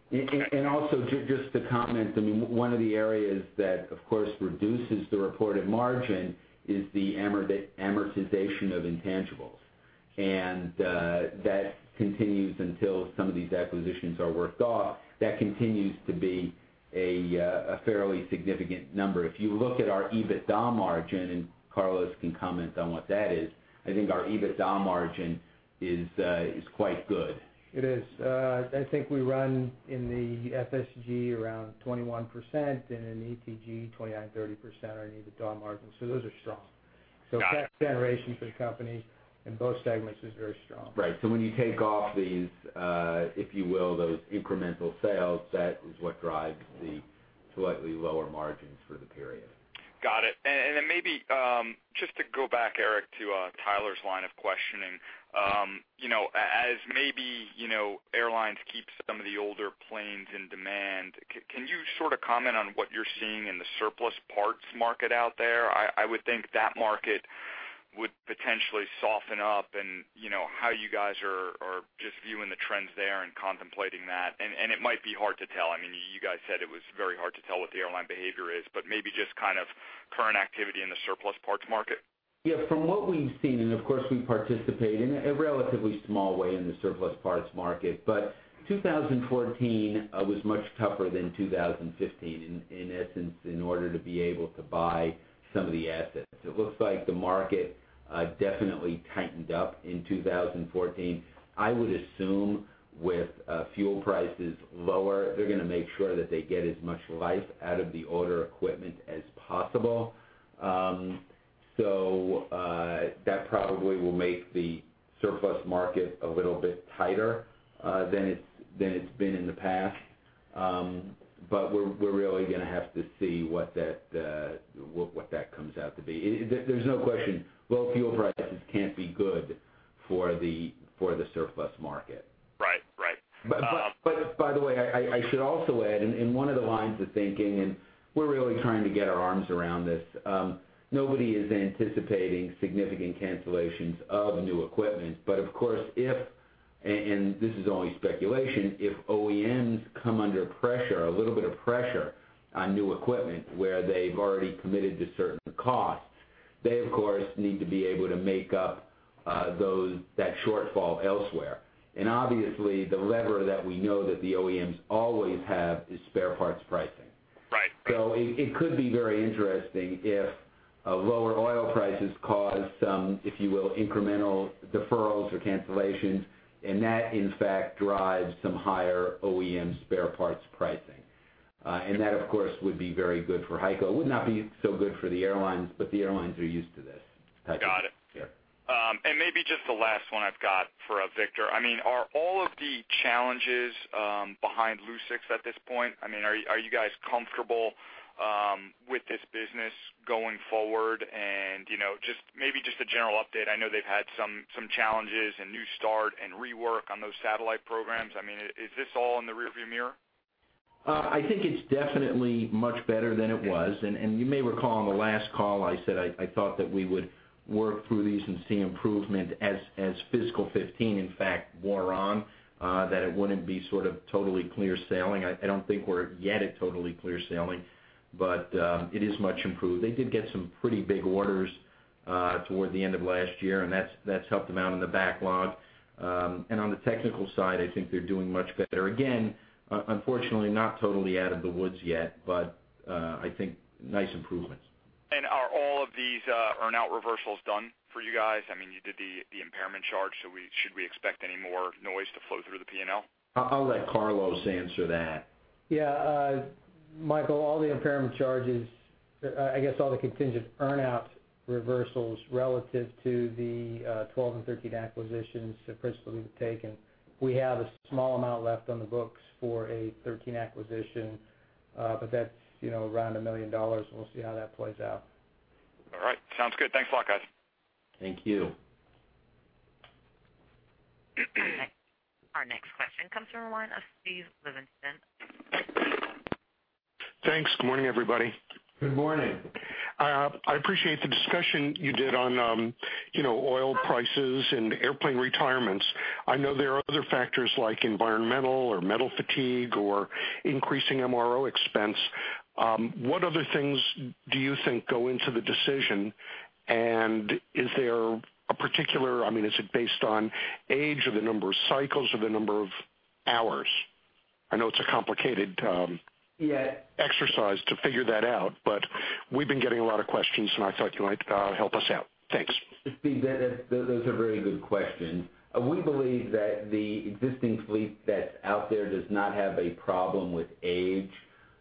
Also, just to comment, one of the areas that, of course, reduces the reported margin is the amortization of intangibles. That continues until some of these acquisitions are worked off. That continues to be a fairly significant number. If you look at our EBITDA margin, and Carlos can comment on what that is, I think our EBITDA margin is quite good. It is. I think we run in the FSG around 21%, and in the ETG, 29%-30% are EBITDA margins. Those are strong. Got it. Cash generation for the company in both segments is very strong. Right. When you take off these, if you will, those incremental sales, that is what drives the slightly lower margins for the period. Got it. Then maybe, just to go back, Eric, to Tyler's line of questioning. As maybe airlines keep some of the older planes in demand, can you sort of comment on what you're seeing in the surplus parts market out there? I would think that market would potentially soften up, and how you guys are just viewing the trends there and contemplating that, and it might be hard to tell. You guys said it was very hard to tell what the airline behavior is, but maybe just kind of current activity in the surplus parts market. From what we've seen, of course, we participate in a relatively small way in the surplus parts market, 2014 was much tougher than 2015, in essence, in order to be able to buy some of the assets. It looks like the market definitely tightened up in 2014. I would assume with fuel prices lower, they're going to make sure that they get as much life out of the older equipment as possible. That probably will make the surplus market a little bit tighter than it's been in the past. We're really going to have to see what that comes out to be. There's no question, low fuel prices can't be good for the surplus market. Right. By the way, I should also add, in one of the lines of thinking, we're really trying to get our arms around this, nobody is anticipating significant cancellations of new equipment. Of course, if, this is only speculation, if OEMs come under a little bit of pressure on new equipment where they've already committed to certain costs, they, of course, need to be able to make up that shortfall elsewhere. Obviously, the lever that we know that the OEMs always have is spare parts pricing. Right. It could be very interesting if lower oil prices cause some, if you will, incremental deferrals or cancellations, that in fact drives some higher OEM spare parts pricing. That, of course, would be very good for HEICO. It would not be so good for the airlines, the airlines are used to this type of thing. Got it. Yeah. Maybe just the last one I've got for Victor. Are all of the challenges behind Lucix at this point? Are you guys comfortable with this business going forward? Maybe just a general update. I know they've had some challenges, a new start, and rework on those satellite programs. Is this all in the rearview mirror? I think it's definitely much better than it was. You may recall on the last call, I said I thought that we would work through these and see improvement as fiscal 2015, in fact, wore on, that it wouldn't be sort of totally clear sailing. I don't think we're yet at totally clear sailing, but it is much improved. They did get some pretty big orders toward the end of last year, and that's helped them out in the backlog. On the technical side, I think they're doing much better. Again, unfortunately not totally out of the woods yet, but I think nice improvements. Are all of these earnout reversals done for you guys? You did the impairment charge. Should we expect any more noise to flow through the P&L? I'll let Carlos answer that. Yeah. Michael, all the impairment charges, I guess all the contingent earnout reversals relative to the 2012 and 2013 acquisitions have principally been taken. We have a small amount left on the books for a 2013 acquisition. That's around $1 million, and we'll see how that plays out. All right. Sounds good. Thanks a lot, guys. Thank you. Our next question comes from the line of Steve Levenson. Thanks. Good morning, everybody. Good morning. I appreciate the discussion you did on oil prices and airplane retirements. I know there are other factors like environmental or metal fatigue or increasing MRO expense. What other things do you think go into the decision, and is there a particular, is it based on age or the number of cycles or the number of hours? I know it's a. Yeah Exercise to figure that out. We've been getting a lot of questions. I thought you might help us out. Thanks. Steve, those are very good questions. We believe that the existing fleet that's out there does not have a problem with age.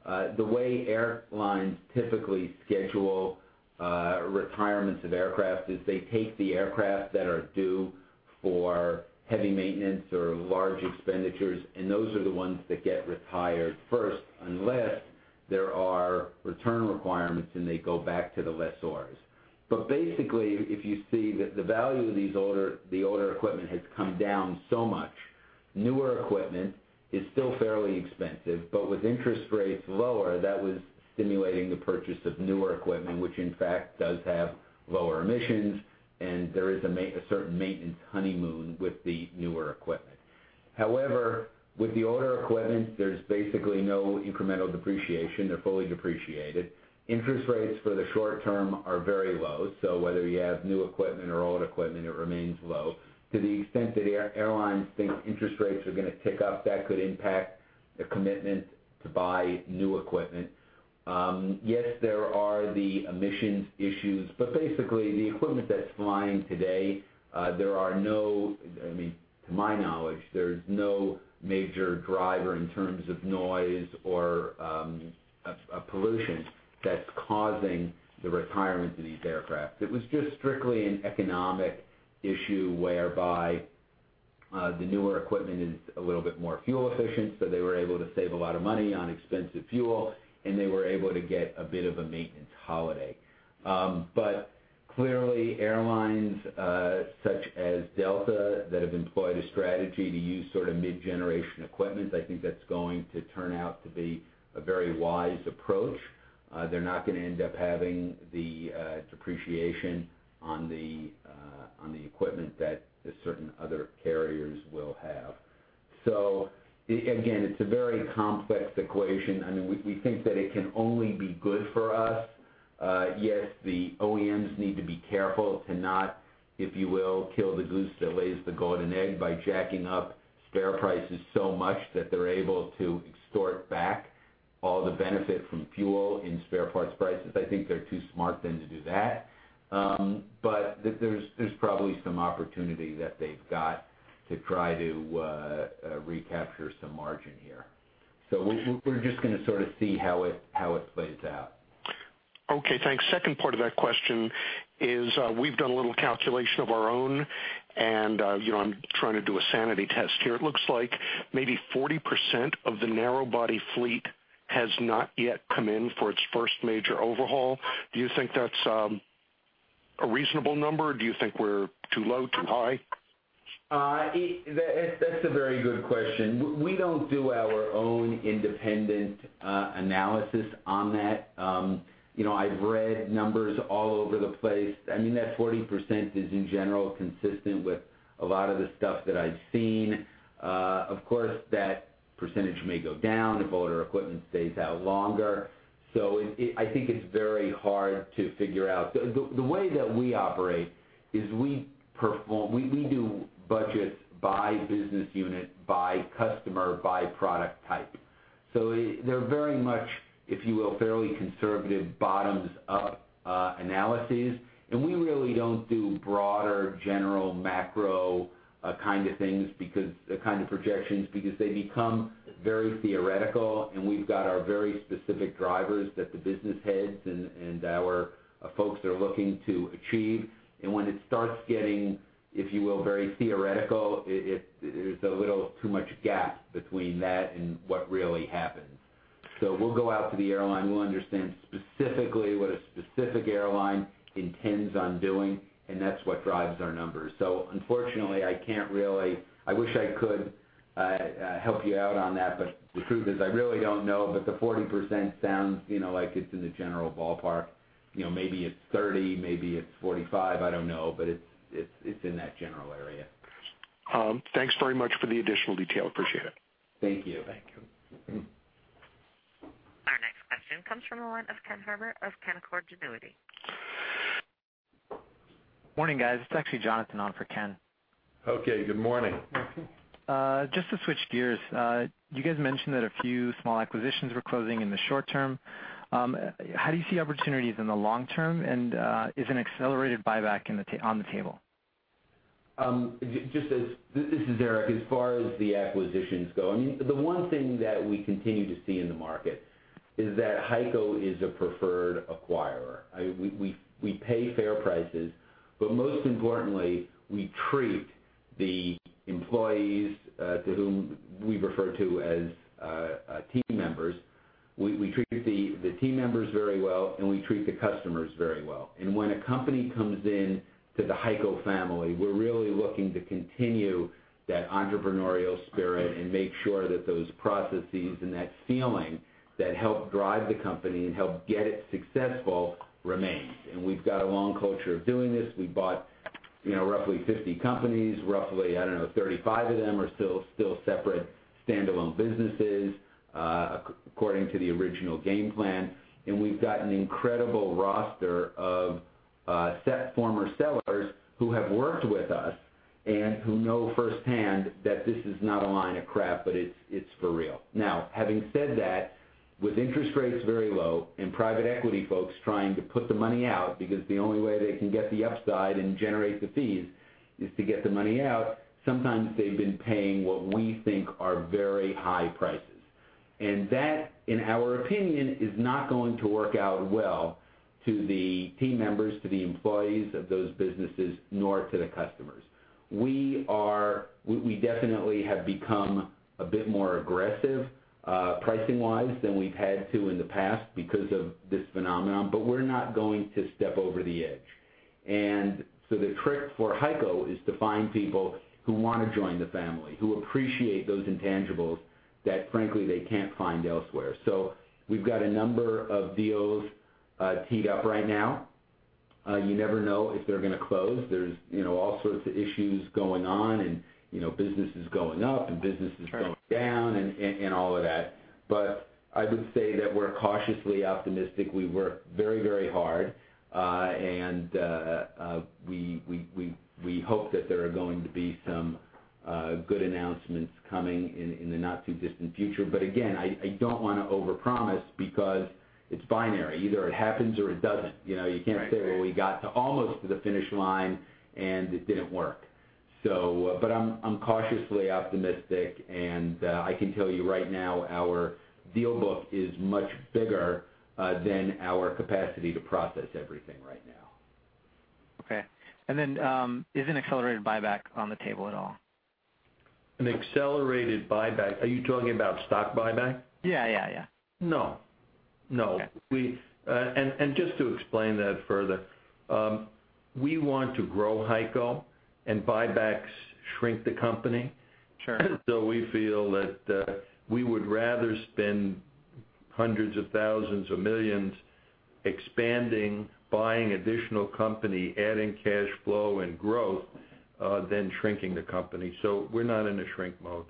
The way airlines typically schedule retirements of aircraft is they take the aircraft that are due for heavy maintenance or large expenditures, and those are the ones that get retired first, unless there are return requirements, and they go back to the lessors. Basically, if you see that the value of the older equipment has come down so much, newer equipment is still fairly expensive, but with interest rates lower, that was stimulating the purchase of newer equipment, which in fact does have lower emissions, and there is a certain maintenance honeymoon with the newer equipment. However, with the older equipment, there's basically no incremental depreciation. They're fully depreciated. Interest rates for the short term are very low, whether you have new equipment or old equipment, it remains low. To the extent that airlines think interest rates are going to tick up, that could impact the commitment to buy new equipment. Yes, there are the emissions issues, basically the equipment that's flying today, to my knowledge, there's no major driver in terms of noise or pollution that's causing the retirement of these aircraft. It was just strictly an economic issue whereby the newer equipment is a little bit more fuel efficient, they were able to save a lot of money on expensive fuel, and they were able to get a bit of a maintenance holiday. Clearly, airlines such as Delta that have employed a strategy to use sort of mid-generation equipment, I think that's going to turn out to be a very wise approach. They're not going to end up having the depreciation on the equipment that the certain other carriers will have. Again, it's a very complex equation. We think that it can only be good for us. Yes, the OEMs need to be careful to not, if you will, kill the goose that lays the golden egg by jacking up spare prices so much that they're able to extort back all the benefit from fuel and spare parts prices. I think they're too smart then to do that. There's probably some opportunity that they've got to try to recapture some margin here. We're just going to sort of see how it plays out. Okay, thanks. Second part of that question is, we've done a little calculation of our own, I'm trying to do a sanity test here. It looks like maybe 40% of the narrow-body fleet has not yet come in for its first major overhaul. Do you think that's a reasonable number, or do you think we're too low, too high? That's a very good question. We don't do our own independent analysis on that. I've read numbers all over the place. That 40% is, in general, consistent with a lot of the stuff that I've seen. Of course, that % may go down if older equipment stays out longer. I think it's very hard to figure out. The way that we operate is we do budgets by business unit, by customer, by product type. They're very much, if you will, fairly conservative bottoms-up analyses, and we really don't do broader, general, macro kind of things, the kind of projections, because they become very theoretical, and we've got our very specific drivers that the business heads and our folks are looking to achieve. When it starts getting, if you will, very theoretical, there's a little too much gap between that and what really happens. We'll go out to the airline. We'll understand specifically what a specific airline intends on doing, and that's what drives our numbers. Unfortunately, I wish I could help you out on that, but the truth is I really don't know, but the 40% sounds like it's in the general ballpark. Maybe it's 30, maybe it's 45. I don't know. It's in that general area. Thanks very much for the additional detail. Appreciate it. Thank you. Thank you. Our next question comes from the line of Ken Herbert of Canaccord Genuity. Morning, guys. It's actually Jonathan on for Ken. Okay. Good morning. Just to switch gears, you guys mentioned that a few small acquisitions were closing in the short term. How do you see opportunities in the long term, and is an accelerated buyback on the table? This is Eric. As far as the acquisitions go, the one thing that we continue to see in the market is that HEICO is a preferred acquirer. We pay fair prices, but most importantly, we treat the employees, to whom we refer to as team members, we treat the team members very well, and we treat the customers very well. When a company comes in to the HEICO family, we're really looking to continue that entrepreneurial spirit and make sure that those processes and that feeling that helped drive the company and helped get it successful remains. We've got a long culture of doing this. We bought roughly 50 companies. Roughly, I don't know, 35 of them are still separate standalone businesses, according to the original game plan. We've got an incredible roster of former sellers who have worked with us and who know firsthand that this is not a line of crap, but it's for real. Now, having said that, with interest rates very low and private equity folks trying to put the money out, because the only way they can get the upside and generate the fees is to get the money out, sometimes they've been paying what we think are very high prices. That, in our opinion, is not going to work out well to the team members, to the employees of those businesses, nor to the customers. We definitely have become a bit more aggressive, pricing wise, than we've had to in the past because of this phenomenon, but we're not going to step over the edge. The trick for HEICO is to find people who want to join the family, who appreciate those intangibles that, frankly, they can't find elsewhere. We've got a number of deals teed up right now. You never know if they're going to close. There's all sorts of issues going on, and businesses going up and businesses going down and all of that. I would say that we're cautiously optimistic. We work very hard, and we hope that there are going to be some good announcements coming in the not-too-distant future. Again, I don't want to overpromise because it's binary. Either it happens or it doesn't. You can't say, "Well, we got to almost to the finish line, and it didn't work." I'm cautiously optimistic, and I can tell you right now our deal book is much bigger than our capacity to process everything right now. Okay. Is an accelerated buyback on the table at all? An accelerated buyback. Are you talking about stock buyback? Yeah. No. Okay. Just to explain that further, we want to grow HEICO, and buybacks shrink the company. Sure. We feel that we would rather spend hundreds of thousands of millions expanding, buying additional company, adding cash flow and growth, than shrinking the company. We're not in a shrink mode.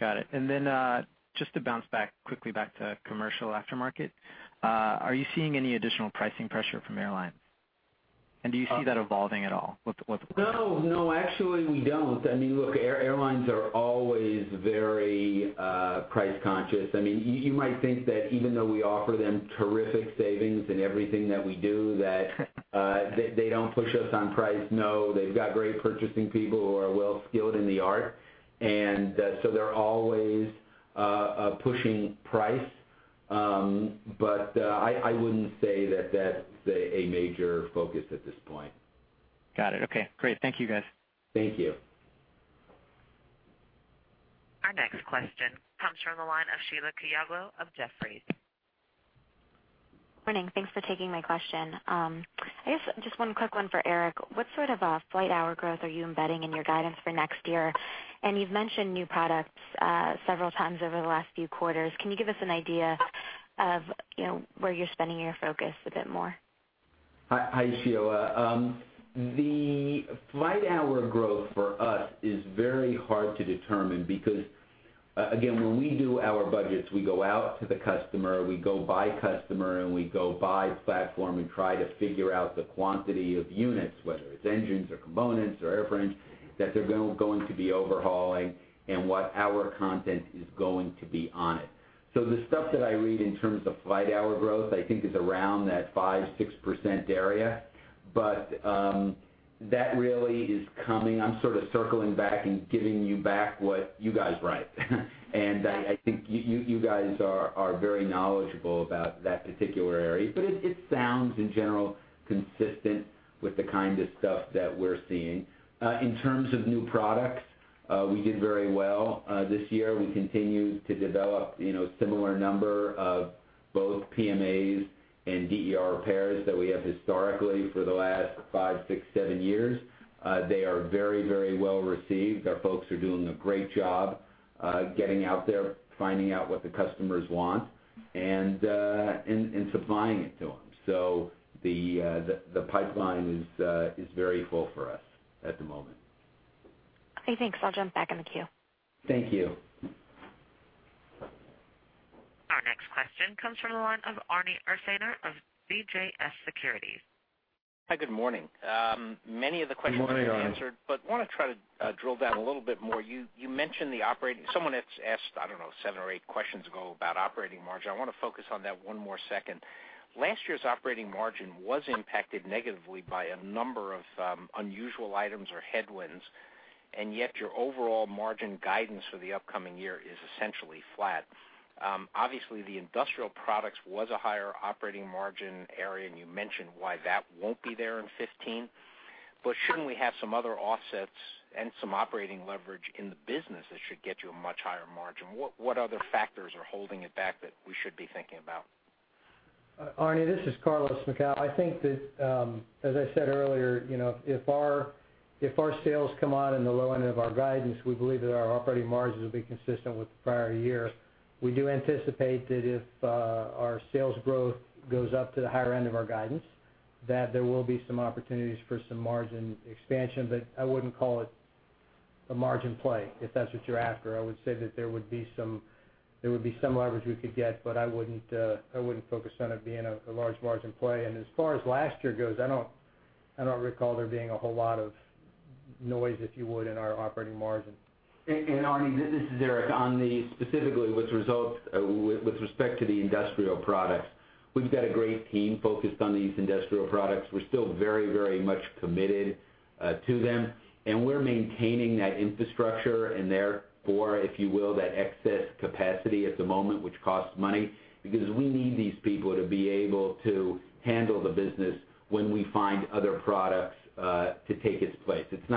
Got it. Just to bounce back quickly back to commercial aftermarket, are you seeing any additional pricing pressure from airlines? Do you see that evolving at all? No, actually we don't. Look, airlines are always very price conscious. You might think that even though we offer them terrific savings in everything that we do, that they don't push us on price. No, they've got great purchasing people who are well-skilled in the art, they're always pushing price. I wouldn't say that's a major focus at this point. Got it. Okay, great. Thank you, guys. Thank you. Our next question comes from the line of Sheila Kahyaoglu of Jefferies. Morning. Thanks for taking my question. I guess just one quick one for Eric. What sort of flight hour growth are you embedding in your guidance for next year? You've mentioned new products several times over the last few quarters. Can you give us an idea of where you're spending your focus a bit more? Hi, Sheila. The flight hour growth for us is very hard to determine because, again, when we do our budgets, we go out to the customer, we go by customer, we go by platform and try to figure out the quantity of units, whether it's engines or components or airframes, that they're going to be overhauling and what our content is going to be on it. The stuff that I read in terms of flight hour growth, I think is around that 5%-6% area. That really is coming. I'm sort of circling back and giving you back what you guys write. I think you guys are very knowledgeable about that particular area, it sounds, in general, consistent with the kind of stuff that we're seeing. In terms of new products, we did very well this year. We continued to develop similar number of both PMAs and DER repairs that we have historically for the last five, six, seven years. They are very well-received. Our folks are doing a great job getting out there, finding out what the customers want, and supplying it to them. The pipeline is very full for us at the moment. Okay, thanks. I'll jump back in the queue. Thank you. Our next question comes from the line of Arnie Ursaner of CJS Securities. Hi, good morning. Good morning, Arnie have been answered, but want to try to drill down a little bit more. You mentioned the operating. Someone had asked, I don't know, seven or eight questions ago about operating margin. I want to focus on that one more second. Last year's operating margin was impacted negatively by a number of unusual items or headwinds, and yet your overall margin guidance for the upcoming year is essentially flat. Obviously, the industrial products was a higher operating margin area, and you mentioned why that won't be there in 2015. Shouldn't we have some other offsets and some operating leverage in the business that should get you a much higher margin? What other factors are holding it back that we should be thinking about? Arnie, this is Carlos Macau. I think that, as I said earlier, if our sales come out in the low end of our guidance, we believe that our operating margins will be consistent with the prior year. We do anticipate that if our sales growth goes up to the higher end of our guidance, that there will be some opportunities for some margin expansion. I wouldn't call it a margin play, if that's what you're after. I would say that there would be some leverage we could get, but I wouldn't focus on it being a large margin play. As far as last year goes, I don't recall there being a whole lot of noise, if you would, in our operating margin. Arnie, this is Eric. On the specifically with results with respect to the industrial products, we've got a great team focused on these industrial products. We're still very much committed to them, and we're maintaining that infrastructure and therefore, if you will, that excess capacity at the moment, which costs money, because we need these people to be able to handle the business when we find other products to take its place. We're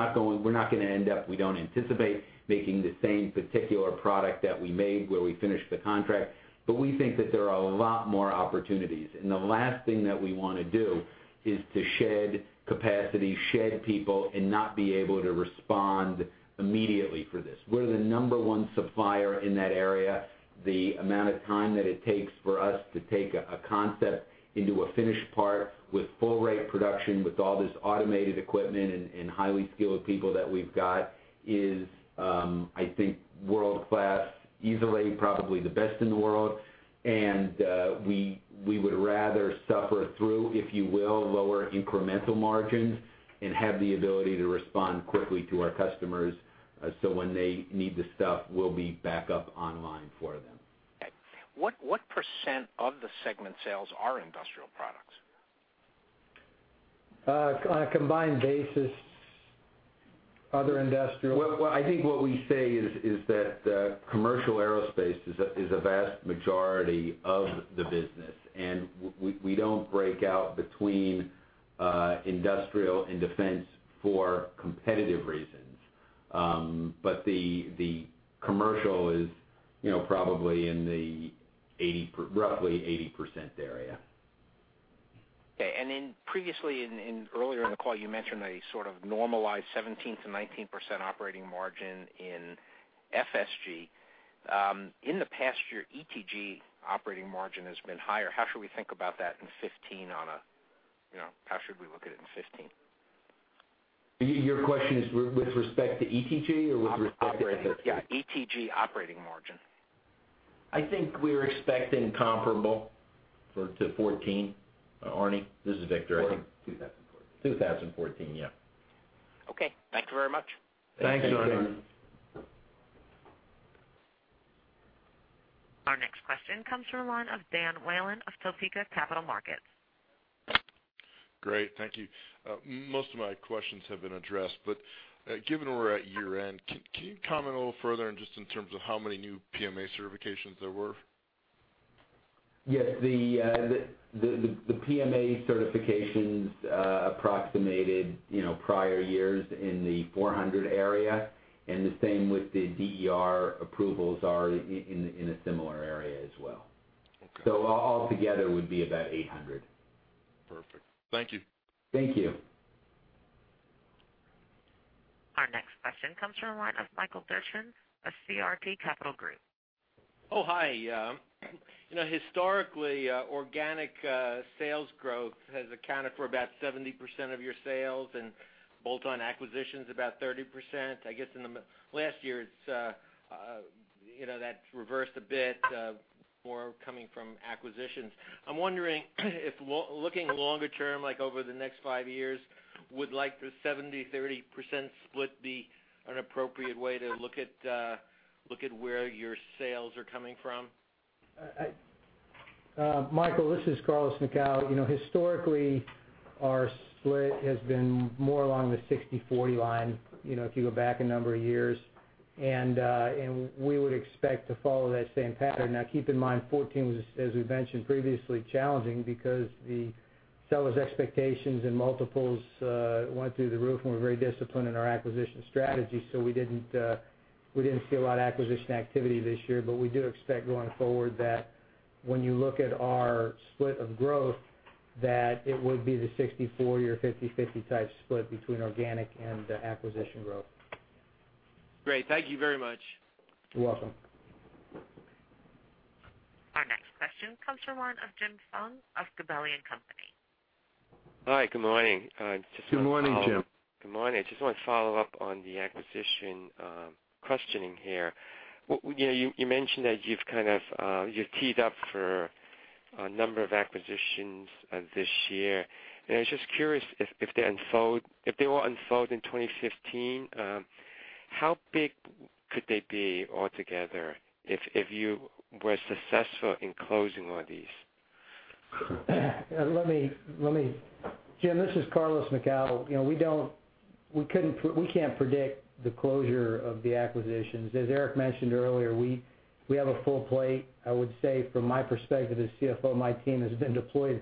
not going to end up, we don't anticipate making the same particular product that we made where we finished the contract. We think that there are a lot more opportunities. The last thing that we want to do is to shed capacity, shed people, and not be able to respond immediately for this. We're the number one supplier in that area. The amount of time that it takes for us to take a concept into a finished part with full rate production, with all this automated equipment and highly skilled people that we've got is, I think, world-class, easily probably the best in the world. We would rather suffer through, if you will, lower incremental margins and have the ability to respond quickly to our customers so when they need the stuff, we'll be back up online for them. Okay. What % of the segment sales are industrial products? On a combined basis, other industrial- Well, I think what we say is that commercial aerospace is a vast majority of the business, and we don't break out between industrial and defense for competitive reasons. The commercial is probably in the roughly 80% area. Okay. Previously earlier in the call, you mentioned a sort of normalized 17%-19% operating margin in FSG. In the past year, ETG operating margin has been higher. How should we look at it in 2015? Your question is with respect to ETG or with respect to FSG? Operating, yeah, ETG operating margin. I think we're expecting comparable to 2014. Arnie, this is Victor, I think. 2014. 2014, yeah. Okay. Thank you very much. Thanks, Arnie. Our next question comes from the line of Dan Whalen of Topeka Capital Markets. Great. Thank you. Most of my questions have been addressed, but given we're at year-end, can you comment a little further just in terms of how many new PMA certifications there were? Yes. The PMA certifications approximated prior years in the 400 area, and the same with the DER approvals are in a similar area as well. Okay. Altogether would be about 800. Perfect. Thank you. Thank you. Our next question comes from the line of Michael Derchin of CRT Capital Group. Oh, hi. Historically, organic sales growth has accounted for about 70% of your sales, and bolt-on acquisition's about 30%. I guess in the last year, that's reversed a bit, more coming from acquisitions. I'm wondering if looking longer term, like over the next five years, would like the 70/30% split be an appropriate way to look at where your sales are coming from? Michael, this is Carlos Macau. Historically, our split has been more along the 60/40 line, if you go back a number of years, and we would expect to follow that same pattern. Now, keep in mind, 2014 was, as we've mentioned previously, challenging because the sellers' expectations and multiples went through the roof, and we're very disciplined in our acquisition strategy, so we didn't see a lot of acquisition activity this year. We do expect going forward that when you look at our split of growth, that it would be the 60/40 or 50/50 type split between organic and acquisition growth. Great. Thank you very much. You're welcome. Our next question comes from one of Jim Foung of Gabelli & Company. Hi, good morning. Good morning, Jim. Good morning. I just want to follow up on the acquisition questioning here. You mentioned that you've teed up for a number of acquisitions this year. I was just curious, if they all unfold in 2015, how big could they be altogether if you were successful in closing all these? Jim, this is Carlos Macau. We can't predict the closure of the acquisitions. As Eric mentioned earlier, we have a full plate. I would say from my perspective as CFO, my team has been deployed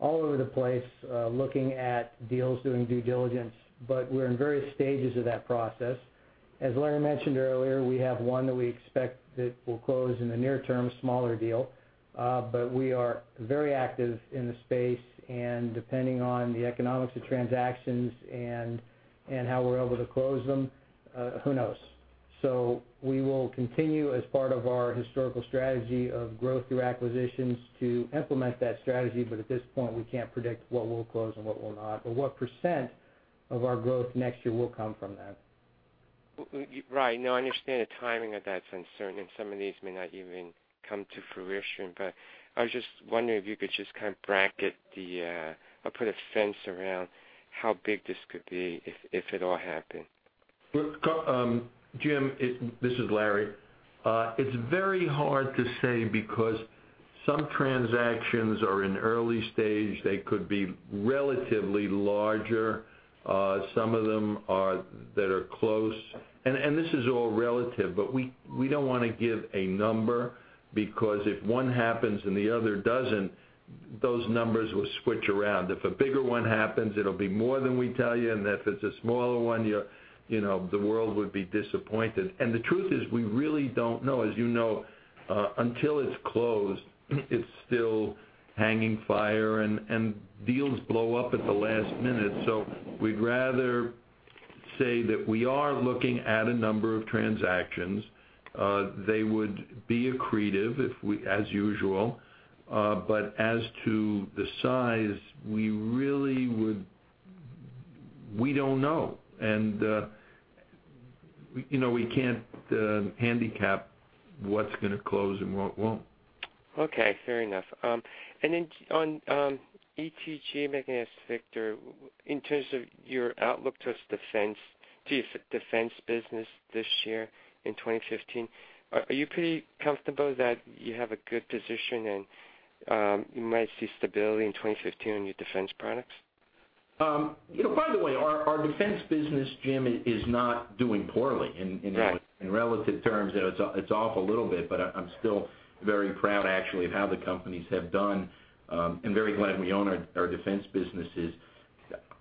all over the place looking at deals, doing due diligence, but we're in various stages of that process. As Larry mentioned earlier, we have one that we expect that will close in the near term, a smaller deal. We are very active in the space, and depending on the economics of transactions and how we're able to close them, who knows? We will continue as part of our historical strategy of growth through acquisitions to implement that strategy. At this point, we can't predict what will close and what will not or what % of our growth next year will come from that. Right. No, I understand the timing of that's uncertain and some of these may not even come to fruition, I was just wondering if you could just kind of bracket the, or put a fence around how big this could be if it all happened. Jim, this is Larry. It's very hard to say because some transactions are in early stage. They could be relatively larger. Some of them that are close, and this is all relative, but we don't want to give a number because if one happens and the other doesn't, those numbers will switch around. If a bigger one happens, it'll be more than we tell you, and if it's a smaller one, the world would be disappointed. The truth is we really don't know. As you know, until it's closed, it's still hanging fire and deals blow up at the last minute. We'd rather say that we are looking at a number of transactions. They would be accretive as usual, but as to the size, we don't know. We can't handicap what's going to close and what won't. Okay. Fair enough. Then on ETG, maybe can I ask Victor, in terms of your outlook towards defense business this year in 2015, are you pretty comfortable that you have a good position and you might see stability in 2015 in your defense products? By the way, our defense business, Jim, is not doing poorly. Right. In relative terms, it's off a little bit, but I'm still very proud actually of how the companies have done and very glad we own our defense businesses.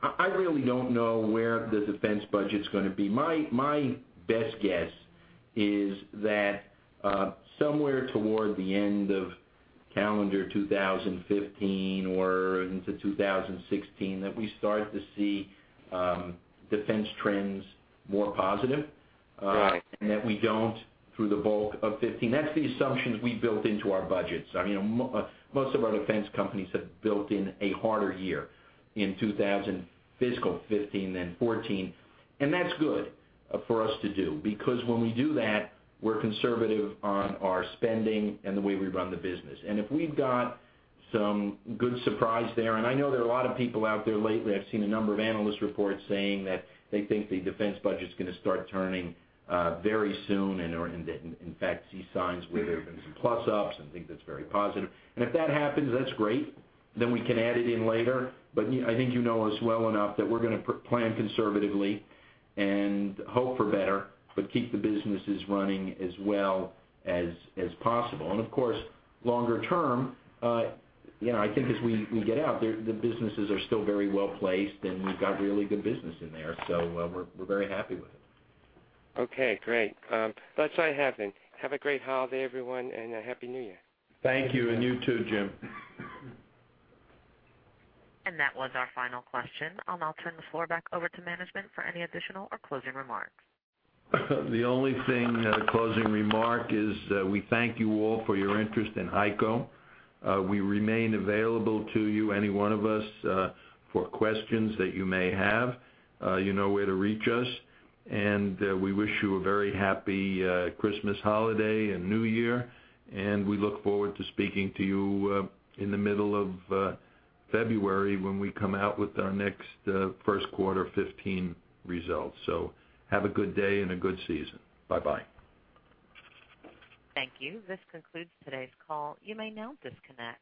I really don't know where the defense budget's going to be. My best guess is that somewhere toward the end of calendar 2015 or into 2016, that we start to see defense trends more positive. Right. That we don't through the bulk of 2015. That's the assumptions we built into our budgets. Most of our defense companies have built in a harder year in fiscal 2015 than 2014, and that's good for us to do because when we do that, we're conservative on our spending and the way we run the business. If we've got some good surprise there, and I know there are a lot of people out there lately, I've seen a number of analyst reports saying that they think the defense budget's going to start turning very soon and in fact see signs where there have been some plus-ups and think that's very positive. If that happens, that's great. We can add it in later. I think you know us well enough that we're going to plan conservatively and hope for better, but keep the businesses running as well as possible. Of course, longer term, I think as we get out, the businesses are still very well-placed, and we've got really good business in there, so we're very happy with it. Okay, great. Let's try and have then. Have a great holiday, everyone, and a Happy New Year. Thank you, and you too, Justin. That was our final question. I'll now turn the floor back over to management for any additional or closing remarks. The only thing, closing remark is, we thank you all for your interest in HEICO. We remain available to you, any one of us, for questions that you may have. You know where to reach us. We wish you a very happy Christmas holiday and New Year, and we look forward to speaking to you in the middle of February when we come out with our next first quarter 2015 results. Have a good day and a good season. Bye-bye. Thank you. This concludes today's call. You may now disconnect.